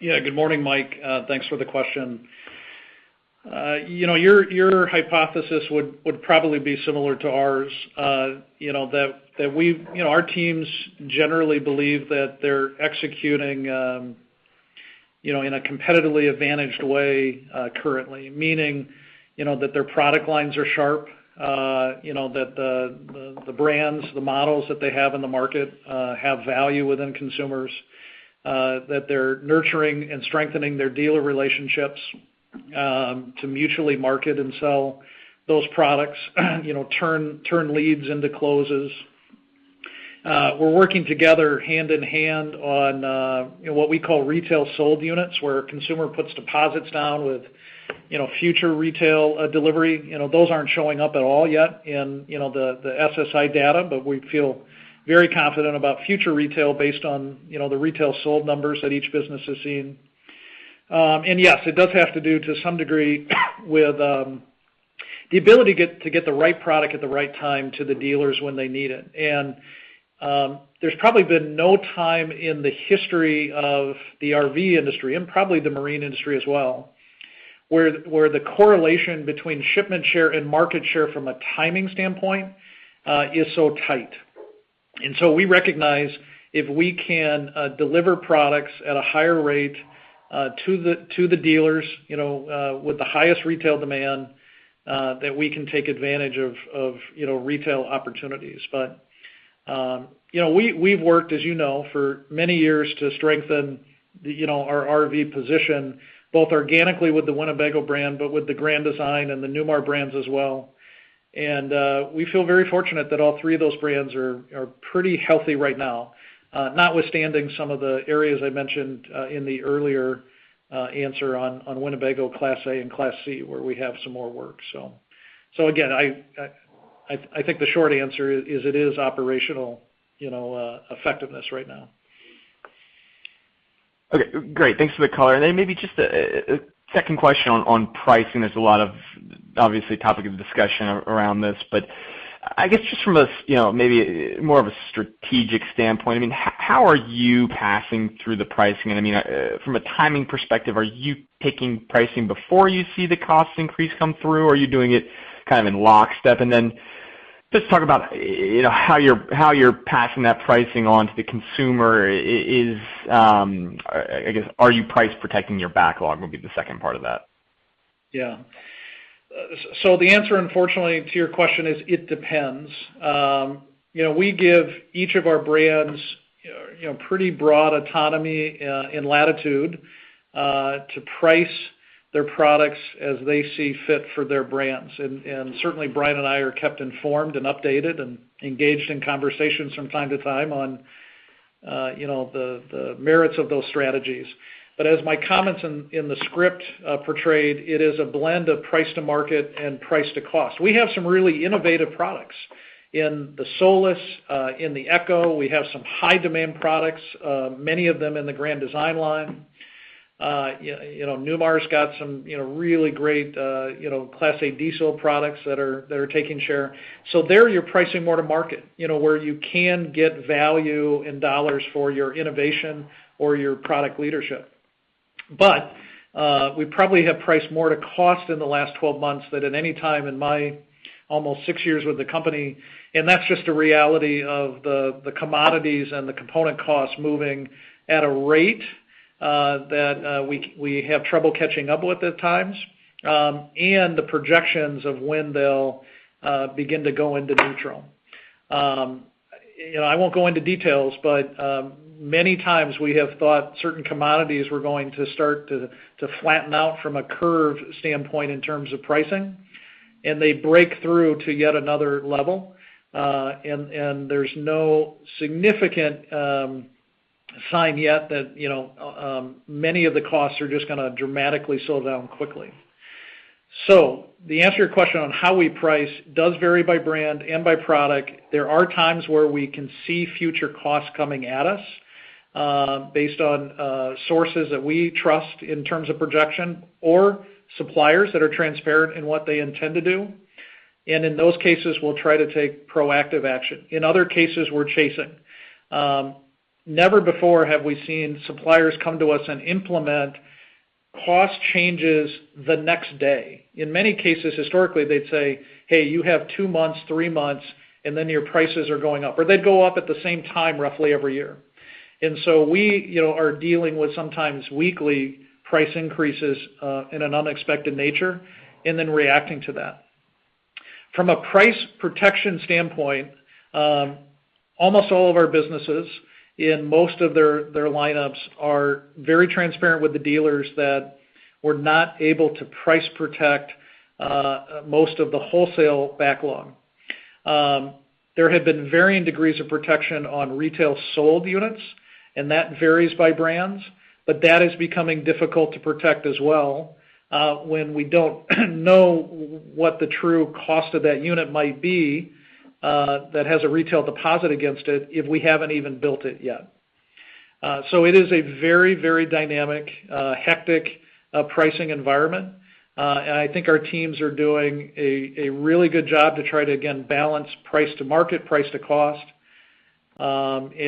Yeah. Good morning, Mike. Thanks for the question. Your hypothesis would probably be similar to ours, that our teams generally believe that they're executing in a competitively advantaged way currently. Meaning, that their product lines are sharp, that the brands, the models that they have in the market have value within consumers, that they're nurturing and strengthening their dealer relationships to mutually market and sell those products, turn leads into closes. We're working together hand-in-hand on what we call retail sold units, where a consumer puts deposits down with future retail delivery. Those aren't showing up at all yet in the SSI data, but we feel very confident about future retail based on the retail sold numbers that each business has seen. Yes, it does have to do, to some degree, with the ability to get the right product at the right time to the dealers when they need it. There's probably been no time in the history of the RV industry, and probably the marine industry as well, where the correlation between shipment share and market share from a timing standpoint is so tight. So we recognize if we can deliver products at a higher rate to the dealers with the highest retail demand, that we can take advantage of retail opportunities. We've worked, as you know, for many years to strengthen our RV position, both organically with the Winnebago brand, with the Grand Design and the Newmar brands as well. We feel very fortunate that all three of those brands are pretty healthy right now, notwithstanding some of the areas I mentioned in the earlier answer on Winnebago Class A and Class C, where we have some more work. Again, I think the short answer is it is operational, you know, effectiveness right now. Okay, great. Thanks for the color. Maybe just a second question on pricing. There's a lot of, obviously, topic of discussion around this. I guess just from maybe more of a strategic standpoint, how are you passing through the pricing? From a timing perspective, are you picking pricing before you see the cost increase come through, or are you doing it kind of in lockstep? Just talk about how you're passing that pricing on to the consumer. I guess, are you price protecting your backlog, would be the second part of that. Yeah. The answer, unfortunately, to your question is, it depends. We give each of our brands pretty broad autonomy and latitude to price their products as they see fit for their brands. Certainly Bryan and I are kept informed and updated, and engaged in conversations from time to time on the merits of those strategies. As my comments in the script portrayed, it is a blend of price to market and price to cost. We have some really innovative products. In the Solis, in the EKKO, we have some high-demand products, many of them in the Grand Design line. Newmar's got some really great Class A diesel products that are taking share. There, you're pricing more to market, where you can get value in dollars for your innovation or your product leadership. We probably have priced more to cost in the last 12 months than at any time in my almost six years with the company, and that's just a reality of the commodities and the component costs moving at a rate that we have trouble catching up with at times, and the projections of when they'll begin to go into neutral. I won't go into details, but many times we have thought certain commodities were going to start to flatten out from a curve standpoint in terms of pricing, and they break through to yet another level. There's no significant sign yet that many of the costs are just going to dramatically slow down quickly. The answer to your question on how we price does vary by brand and by product. There are times where we can see future costs coming at us based on sources that we trust in terms of projection or suppliers that are transparent in what they intend to do. In those cases, we'll try to take proactive action. In other cases, we're chasing. Never before have we seen suppliers come to us and implement cost changes the next day. In many cases, historically, they'd say, "Hey, you have two months, three months, and then your prices are going up." They'd go up at the same time roughly every year. We are dealing with sometimes weekly price increases in an unexpected nature, and then reacting to that. From a price protection standpoint. Almost all of our businesses in most of their lineups are very transparent with the dealers that we're not able to price protect most of the wholesale backlog. There have been varying degrees of protection on retail sold units, and that varies by brands, but that is becoming difficult to protect as well, when we don't know what the true cost of that unit might be, that has a retail deposit against it, if we haven't even built it yet. It is a very, very dynamic, hectic pricing environment. I think our teams are doing a really good job to try to, again, balance price to market, price to cost. We'll see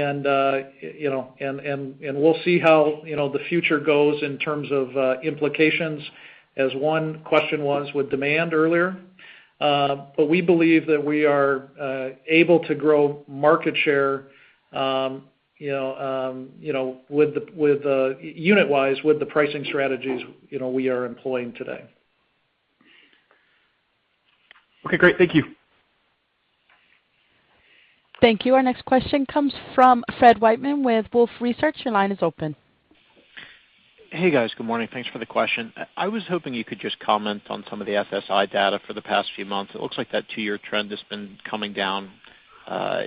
how the future goes in terms of implications, as one question was with demand earlier. We believe that we are able to grow market share unit wise with the pricing strategies we are employing today. Okay, great. Thank you. Thank you. Our next question comes from Fred Wightman with Wolfe Research. Hey, guys. Good morning. Thanks for the question. I was hoping you could just comment on some of the SSI data for the past few months. It looks like that two-year trend has been coming down.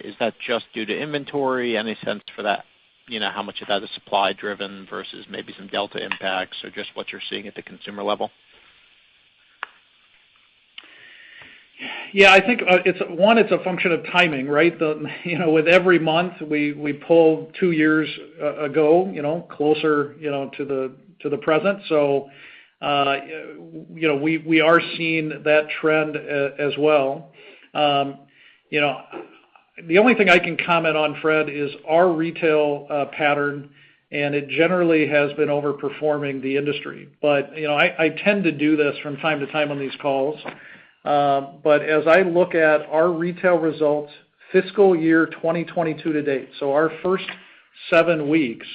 Is that just due to inventory? Any sense for that? How much of that is supply driven versus maybe some delta impacts or just what you're seeing at the consumer level? Yeah, I think, one, it's a function of timing, right? With every month, we pull two years ago, closer to the present. We are seeing that trend as well. The only thing I can comment on, Fred, is our retail pattern, and it generally has been over-performing the industry. I tend to do this from time to time on these calls. As I look at our retail results fiscal year 2022 to date, our first seven weeks,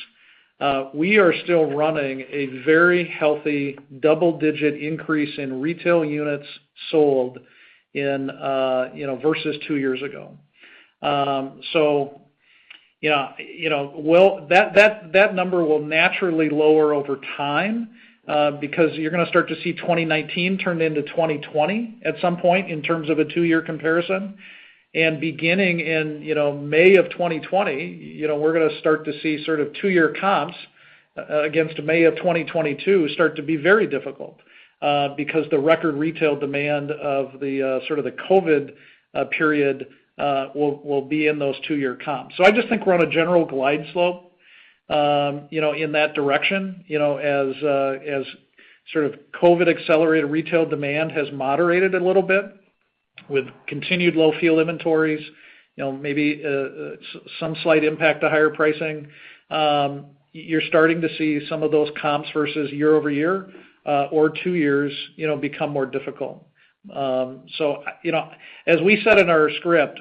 we are still running a very healthy double-digit increase in retail units sold versus two years ago. That number will naturally lower over time, because you're going to start to see 2019 turn into 2020 at some point in terms of a two-year comparison. Beginning in May of 2020, we're going to start to see sort of two-year comps against May of 2022 start to be very difficult, because the record retail demand of the sort of the COVID period will be in those two-year comps. I just think we're on a general glide slope in that direction, as sort of COVID-accelerated retail demand has moderated a little bit with continued low fuel inventories, maybe some slight impact to higher pricing. You're starting to see some of those comps versus year-over-year or two years become more difficult. As we said in our script,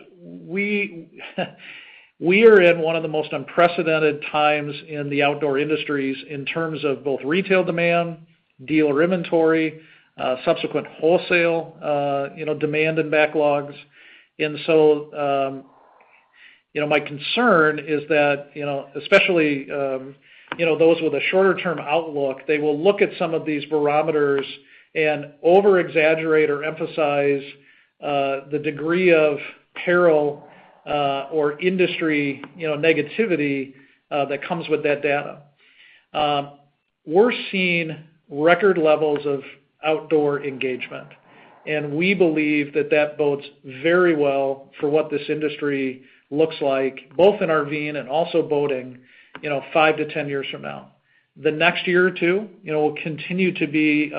we are in one of the most unprecedented times in the outdoor industries in terms of both retail demand, dealer inventory, subsequent wholesale demand and backlogs. My concern is that, especially those with a shorter term outlook, they will look at some of these barometers and over-exaggerate or emphasize the degree of peril or industry negativity that comes with that data. We're seeing record levels of outdoor engagement, and we believe that bodes very well for what this industry looks like, both in RV and also boating, 5-10 years from now. The next year or two will continue to be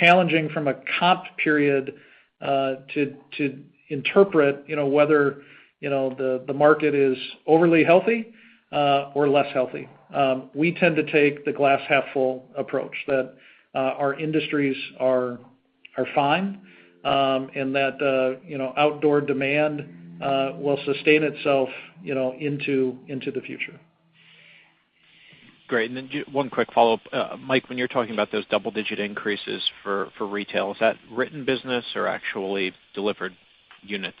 challenging from a comp period to interpret whether the market is overly healthy or less healthy. We tend to take the glass half full approach, that our industries are fine, and that outdoor demand will sustain itself into the future. Great. One quick follow-up. Mike, when you're talking about those double-digit increases for retail, is that written business or actually delivered units?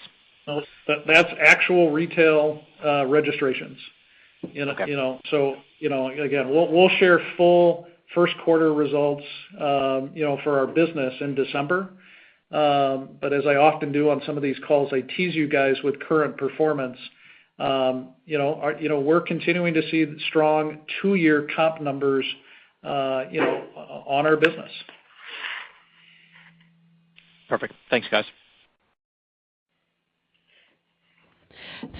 No, that's actual retail registrations. Okay. Again, we'll share full first quarter results for our business in December. As I often do on some of these calls, I tease you guys with current performance. We're continuing to see strong two-year comp numbers on our business. Perfect. Thanks, guys.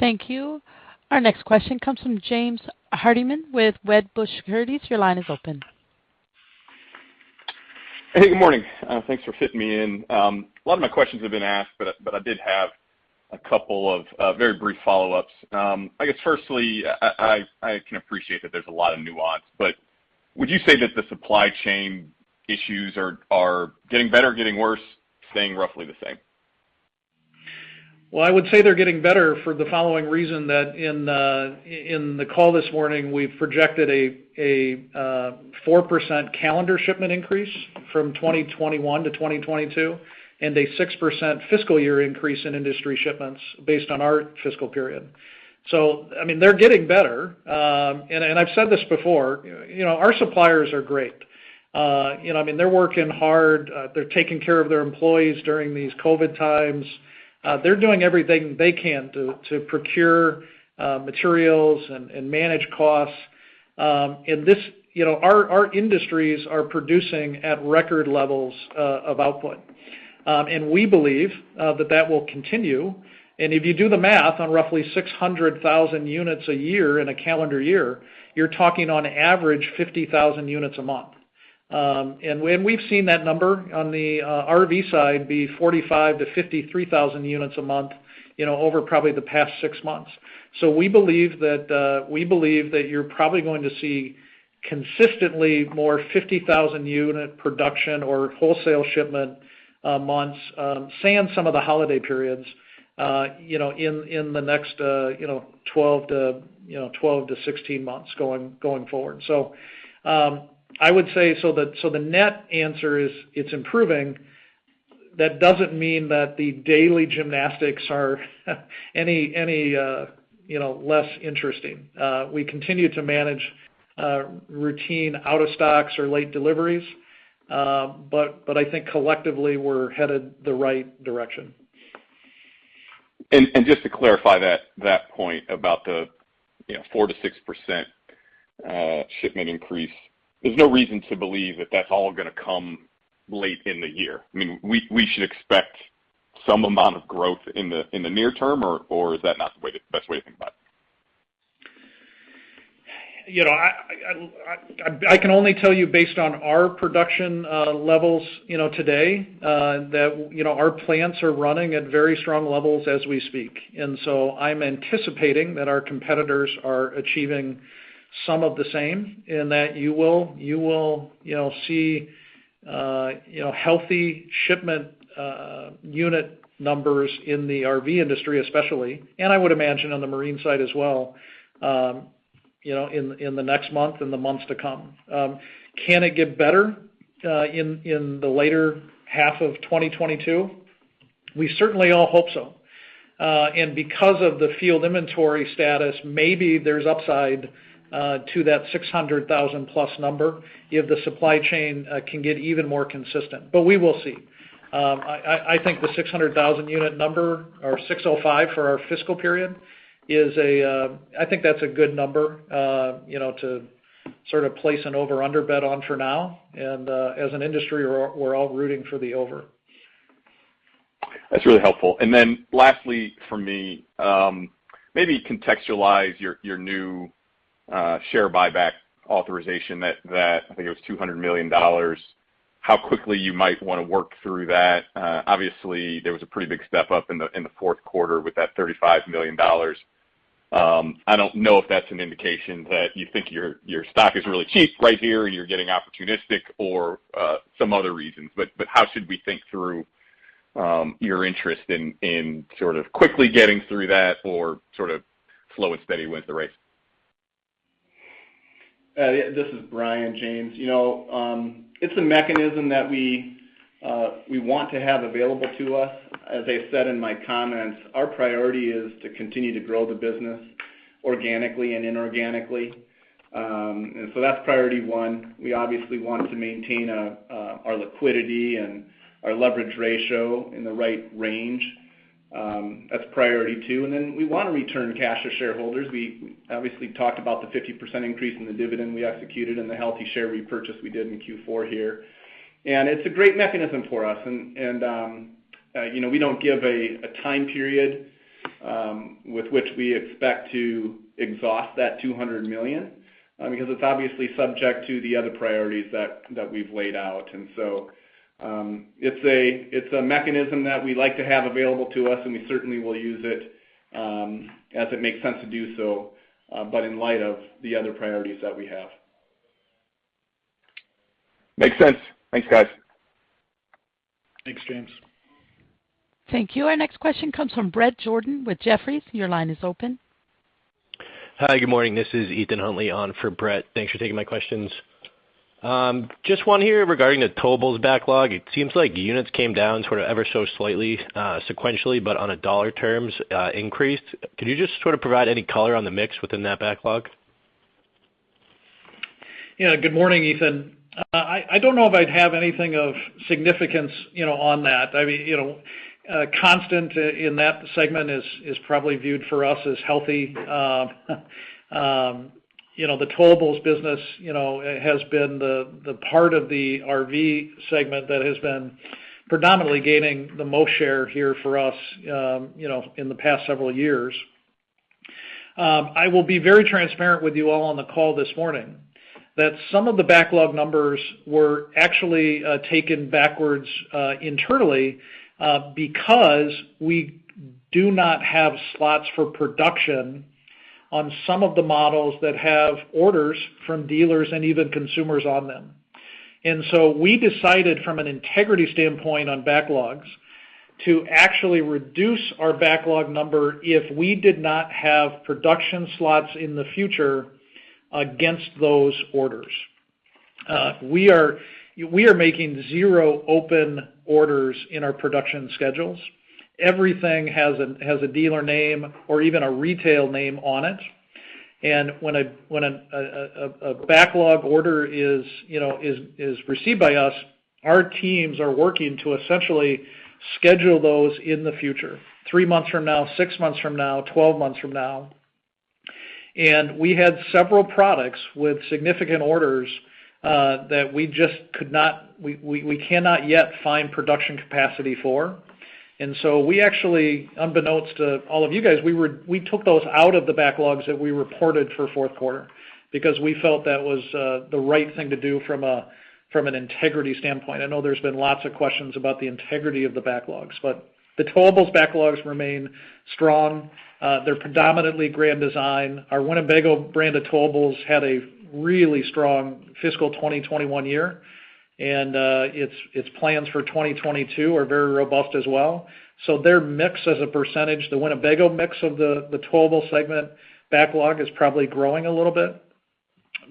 Thank you. Our next question comes from James Hardiman with Wedbush Securities. Your line is open. Hey, good morning. Thanks for fitting me in. A lot of my questions have been asked, but I did have a couple of very brief follow-ups. I guess firstly, I can appreciate that there is a lot of nuance, but would you say that the supply chain issues are getting better, getting worse, staying roughly the same? Well, I would say they're getting better for the following reason that in the call this morning, we've projected a 4% calendar shipment increase from 2021 to 2022, and a 6% fiscal year increase in industry shipments based on our fiscal period. They're getting better. I've said this before, our suppliers are great. They're working hard. They're taking care of their employees during these COVID times. They're doing everything they can to procure materials and manage costs. Our industries are producing at record levels of output. We believe that that will continue. If you do the math on roughly 600,000 units a year in a calendar year, you're talking on average 50,000 units a month. We've seen that number on the RV side be 45,000 units to 53,000 units a month over probably the past six months. We believe that you're probably going to see consistently more 50,000-unit production or wholesale shipment months, sans some of the holiday periods, in the next 12-16 months going forward. I would say the net answer is it's improving. That doesn't mean that the daily gymnastics are any less interesting. We continue to manage routine out of stocks or late deliveries. I think collectively, we're headed the right direction. Just to clarify that point about the 4%-6% shipment increase, there's no reason to believe that that's all going to come late in the year? We should expect some amount of growth in the near term, or is that not the best way to think about it? I can only tell you based on our production levels today, that our plants are running at very strong levels as we speak. I'm anticipating that our competitors are achieving some of the same, in that you will see healthy shipment unit numbers in the RV industry, especially, and I would imagine on the marine side as well, in the next month and the months to come. Can it get better in the later half of 2022? We certainly all hope so. Because of the field inventory status, maybe there's upside to that 600,000+ number if the supply chain can get even more consistent. We will see. I think the 600,000 unit number, or 605,000 for our fiscal period, I think that's a good number to sort of place an over-under bet on for now. As an industry, we're all rooting for the over. That's really helpful. Lastly, for me, maybe contextualize your new share buyback authorization that, I think it was $200 million, how quickly you might want to work through that? Obviously, there was a pretty big step up in the fourth quarter with that $35 million. I don't know if that's an indication that you think your stock is really cheap right here and you're getting opportunistic or some other reasons. How should we think through your interest in sort of quickly getting through that or sort of slow and steady wins the race? This is Bryan, James. It's a mechanism that we want to have available to us. As I said in my comments, our priority is to continue to grow the business organically and inorganically. That's priority one. We obviously want to maintain our liquidity and our leverage ratio in the right range. That's priority two. We want to return cash to shareholders. We obviously talked about the 50% increase in the dividend we executed and the healthy share repurchase we did in Q4 here. It's a great mechanism for us. We don't give a time period with which we expect to exhaust that $200 million, because it's obviously subject to the other priorities that we've laid out. It's a mechanism that we like to have available to us, and we certainly will use it as it makes sense to do so, but in light of the other priorities that we have. Makes sense. Thanks, guys. Thanks, James. Thank you. Our next question comes from Bret Jordan with Jefferies. Your line is open. Hi, good morning. This is Ethan Huntley on for Bret. Thanks for taking my questions. Just one here regarding the towables backlog. It seems like units came down sort of ever so slightly sequentially, but on dollar terms, increased. Could you just sort of provide any color on the mix within that backlog? Yeah. Good morning, Ethan. I don't know if I'd have anything of significance on that. Constant in that segment is probably viewed for us as healthy. The towables business has been the part of the RV segment that has been predominantly gaining the most share here for us in the past several years. I will be very transparent with you all on the call this morning, that some of the backlog numbers were actually taken backwards internally because we do not have slots for production on some of the models that have orders from dealers and even consumers on them. We decided from an integrity standpoint on backlogs to actually reduce our backlog number if we did not have production slots in the future against those orders. We are making zero open orders in our production schedules. Everything has a dealer name or even a retail name on it. When a backlog order is received by us, our teams are working to essentially schedule those in the future, three months from now, six months from now, 12 months from now. We had several products with significant orders that we cannot yet find production capacity for. We actually, unbeknownst to all of you guys, we took those out of the backlogs that we reported for fourth quarter because we felt that was the right thing to do from an integrity standpoint. I know there's been lots of questions about the integrity of the backlogs, but the towables backlogs remain strong. They're predominantly Grand Design. Our Winnebago brand of towables had a really strong fiscal 2021 year, and its plans for 2022 are very robust as well. Their mix as a percentage, the Winnebago mix of the towable segment backlog is probably growing a little bit,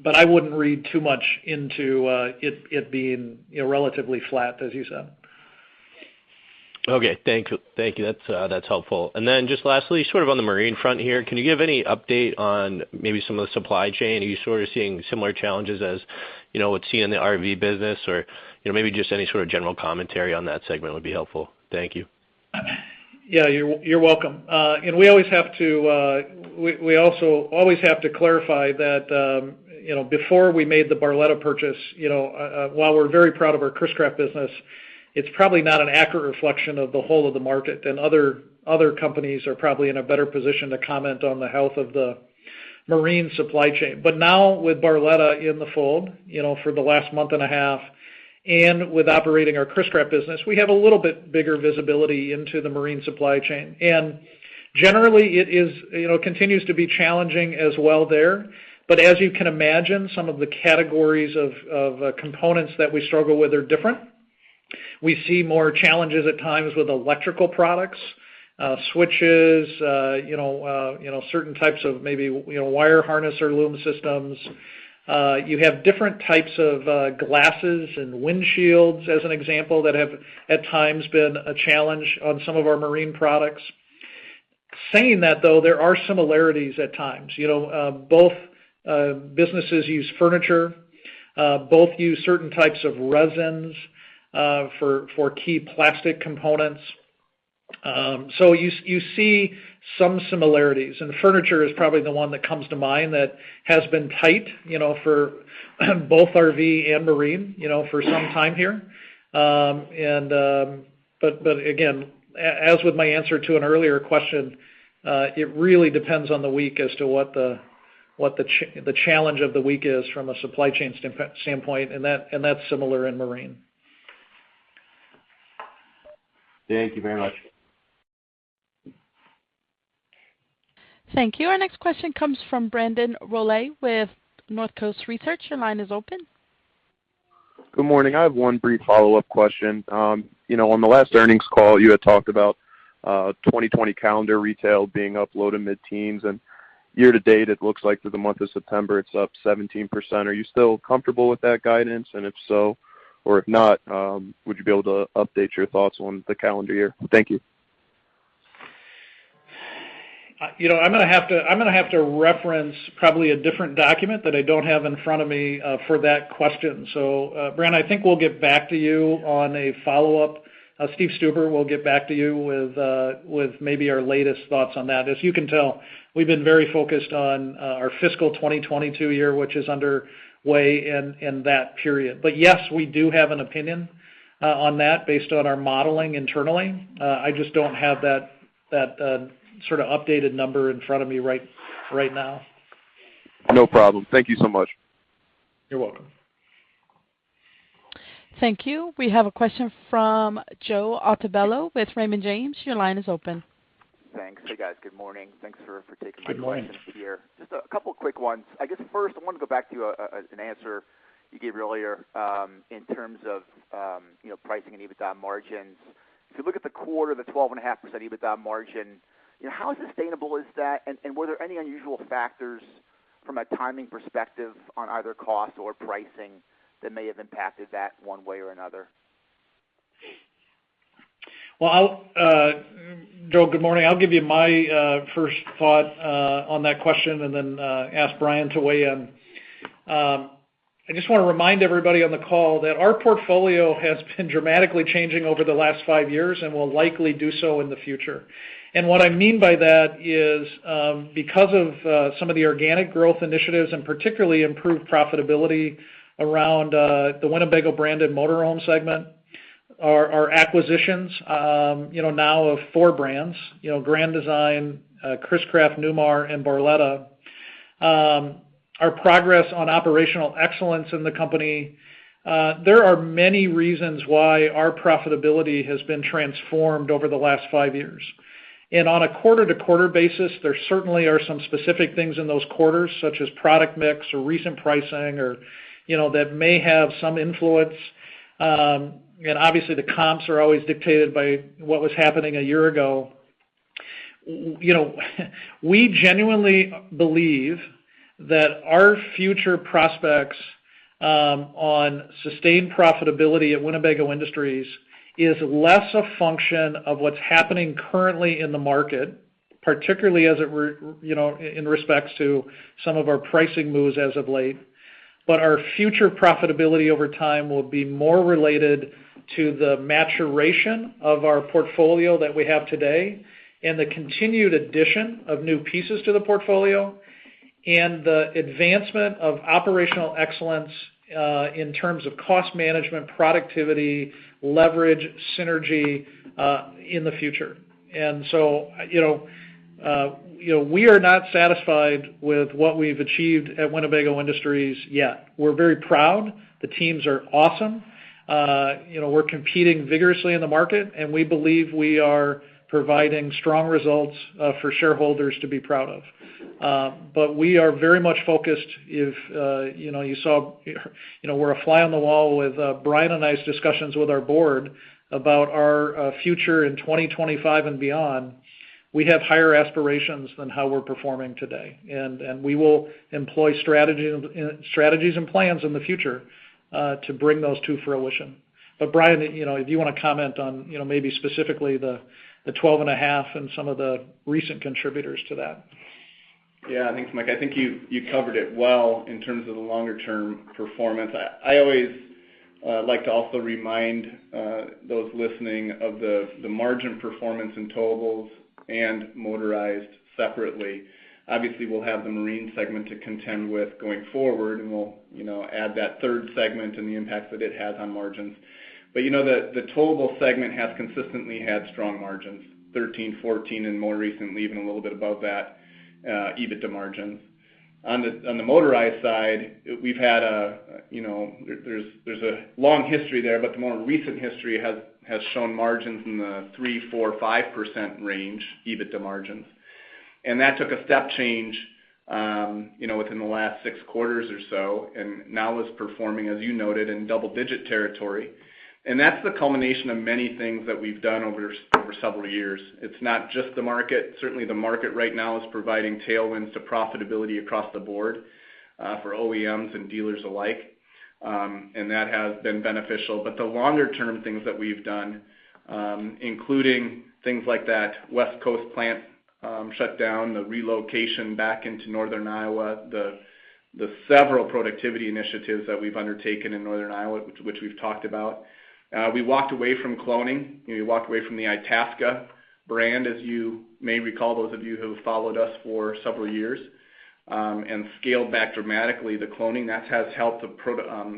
but I wouldn't read too much into it being relatively flat, as you said. Okay. Thank you. That's helpful. Just lastly, sort of on the marine front here, can you give any update on maybe some of the supply chain? Are you sort of seeing similar challenges as what's seen in the RV business? Or maybe just any sort of general commentary on that segment would be helpful. Thank you. Yeah. You're welcome. We always have to clarify that before we made the Barletta purchase, while we're very proud of our Chris-Craft business, it's probably not an accurate reflection of the whole of the market, and other companies are probably in a better position to comment on the health of the marine supply chain. Now with Barletta in the fold, for the last month and a half, and with operating our Chris-Craft business, we have a little bit bigger visibility into the marine supply chain. Generally, it continues to be challenging as well there. As you can imagine, some of the categories of components that we struggle with are different. We see more challenges at times with electrical products, switches, certain types of maybe wire harness or loom systems. You have different types of glasses and windshields, as an example, that have at times been a challenge on some of our marine products. Saying that, though, there are similarities at times. Both businesses use furniture, both use certain types of resins for key plastic components. You see some similarities, and furniture is probably the one that comes to mind that has been tight for both RV and marine for some time here. Again, as with my answer to an earlier question, it really depends on the week as to what the challenge of the week is from a supply chain standpoint, and that's similar in marine. Thank you very much. Thank you. Our next question comes from Brandon Rollé with Northcoast Research. Your line is open. Good morning. I have one brief follow-up question. On the last earnings call, you had talked about 2020 calendar retail being up low to mid-teens, and year to date, it looks like through the month of September, it's up 17%. Are you still comfortable with that guidance? And if so or if not, would you be able to update your thoughts on the calendar year? Thank you. I'm going to have to reference probably a different document that I don't have in front of me for that question. Brandon, I think we'll get back to you on a follow-up. Steve Stuber will get back to you with maybe our latest thoughts on that. As you can tell, we've been very focused on our fiscal 2022 year, which is underway in that period. Yes, we do have an opinion on that based on our modeling internally. I just don't have that sort of updated number in front of me right now. No problem. Thank you so much. You're welcome. Thank you. We have a question from Joe Altobello with Raymond James. Your line is open. Thanks. Hey, guys. Good morning. Good morning. Thanks for taking my question here. Just a couple of quick ones. I guess first, I want to go back to an answer you gave earlier in terms of pricing and EBITDA margins. If you look at the quarter, the 12.5% EBITDA margin, how sustainable is that, and were there any unusual factors from a timing perspective on either cost or pricing that may have impacted that one way or another? Well, Joe, good morning. I'll give you my first thought on that question and then ask Bryan to weigh in. I just want to remind everybody on the call that our portfolio has been dramatically changing over the last five years and will likely do so in the future. What I mean by that is, because of some of the organic growth initiatives, and particularly improved profitability around the Winnebago-branded motorhome segment, our acquisitions now of four brands, Grand Design, Chris-Craft, Newmar, and Barletta, our progress on operational excellence in the company, there are many reasons why our profitability has been transformed over the last five years. On a quarter-to-quarter basis, there certainly are some specific things in those quarters, such as product mix or recent pricing that may have some influence. Obviously the comps are always dictated by what was happening a year ago. We genuinely believe that our future prospects on sustained profitability at Winnebago Industries is less a function of what's happening currently in the market, particularly in respects to some of our pricing moves as of late. Our future profitability over time will be more related to the maturation of our portfolio that we have today and the continued addition of new pieces to the portfolio and the advancement of operational excellence, in terms of cost management, productivity, leverage, synergy in the future. We are not satisfied with what we've achieved at Winnebago Industries yet. We're very proud. The teams are awesome. We're competing vigorously in the market, and we believe we are providing strong results for shareholders to be proud of. We are very much focused. If you saw, we're a fly on the wall with Bryan and I's discussions with our board about our future in 2025 and beyond. We have higher aspirations than how we're performing today. We will employ strategies and plans in the future to bring those to fruition. Bryan, if you want to comment on maybe specifically the 12.5% and some of the recent contributors to that. Thanks, Mike. I think you covered it well in terms of the longer-term performance. I always like to also remind those listening of the margin performance in towables and motorized separately. We'll have the marine segment to contend with going forward, and we'll add that third segment and the impact that it has on margins. The towable segment has consistently had strong margins, 13%, 14%, and more recently, even a little bit above that EBITDA margins. On the motorized side, there's a long history there, but the more recent history has shown margins in the 3%, 4%, 5% range, EBITDA margins. That took a step change within the last six quarters or so, and now is performing, as you noted, in double-digit territory. That's the culmination of many things that we've done over several years. It's not just the market. Certainly, the market right now is providing tailwinds to profitability across the board for OEMs and dealers alike. That has been beneficial. The longer-term things that we've done, including things like that West Coast plant shutdown, the relocation back into Northern Iowa, the several productivity initiatives that we've undertaken in Northern Iowa, which we've talked about. We walked away from cloning. We walked away from the Itasca brand, as you may recall, those of you who have followed us for several years, and scaled back dramatically the cloning. That has helped the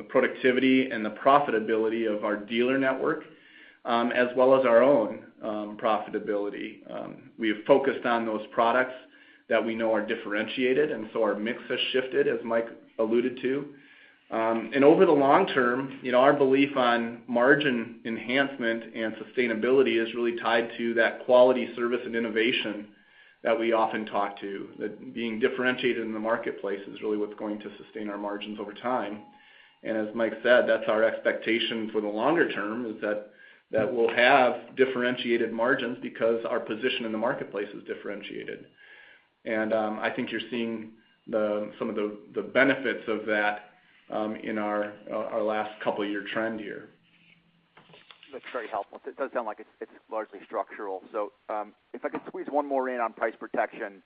productivity and the profitability of our dealer network, as well as our own profitability. We have focused on those products that we know are differentiated. Our mix has shifted, as Mike alluded to. Over the long term, our belief on margin enhancement and sustainability is really tied to that quality service and innovation that we often talk to. That being differentiated in the marketplace is really what's going to sustain our margins over time. As Mike said, that's our expectation for the longer term, is that we'll have differentiated margins because our position in the marketplace is differentiated. I think you're seeing some of the benefits of that in our last couple year trend here. That's very helpful. It does sound like it's largely structural. If I could squeeze one more in on price protection,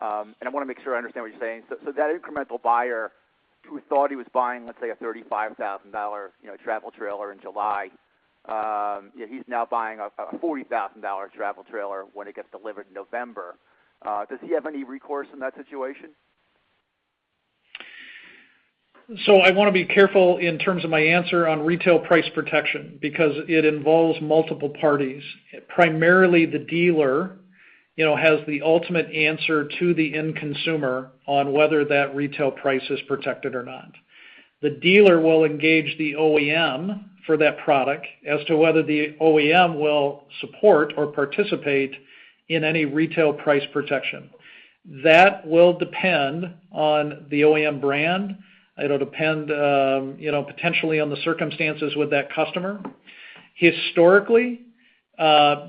and I want to make sure I understand what you're saying. That incremental buyer who thought he was buying, let's say, a $35,000 travel trailer in July, he's now buying a $40,000 travel trailer when it gets delivered in November. Does he have any recourse in that situation? I want to be careful in terms of my answer on retail price protection, because it involves multiple parties. Primarily the dealer has the ultimate answer to the end consumer on whether that retail price is protected or not. The dealer will engage the OEM for that product as to whether the OEM will support or participate in any retail price protection. That will depend on the OEM brand. It'll depend potentially on the circumstances with that customer. Historically,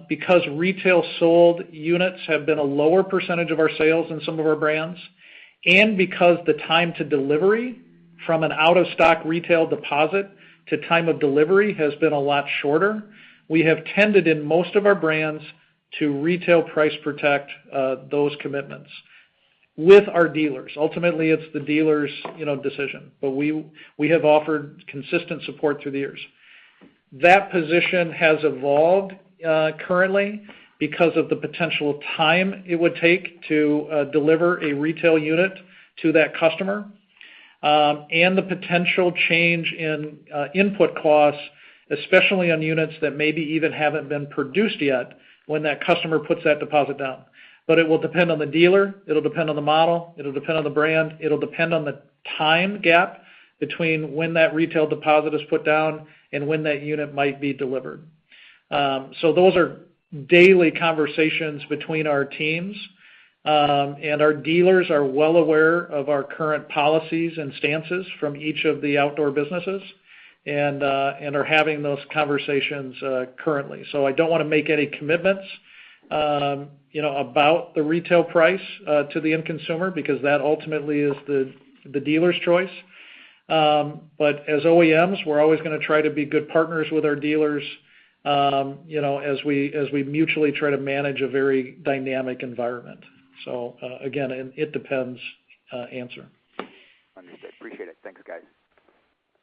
because retail sold units have been a lower percentage of our sales in some of our brands, and because the time to delivery from an out-of-stock retail deposit to time of delivery has been a lot shorter, we have tended in most of our brands to retail price protect those commitments with our dealers. Ultimately, it's the dealer's decision, but we have offered consistent support through the years. That position has evolved currently because of the potential time it would take to deliver a retail unit to that customer and the potential change in input costs, especially on units that maybe even haven't been produced yet when that customer puts that deposit down. It will depend on the dealer. It'll depend on the model. It'll depend on the brand. It'll depend on the time gap between when that retail deposit is put down and when that unit might be delivered. Those are daily conversations between our teams. Our dealers are well aware of our current policies and stances from each of the outdoor businesses and are having those conversations currently. I don't want to make any commitments about the retail price to the end consumer, because that ultimately is the dealer's choice. As OEMs, we're always going to try to be good partners with our dealers as we mutually try to manage a very dynamic environment. Again, an it depends answer. Understood. Appreciate it. Thanks, guys.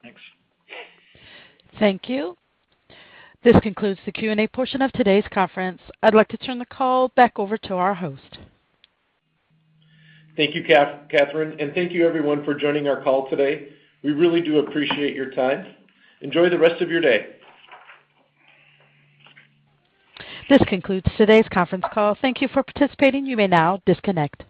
Thanks. Thank you. This concludes the Q&A portion of today's conference. I'd like to turn the call back over to our host. Thank you, Catherine, and thank you everyone for joining our call today. We really do appreciate your time. Enjoy the rest of your day. This concludes today's conference call. Thank you for participating. You may now disconnect.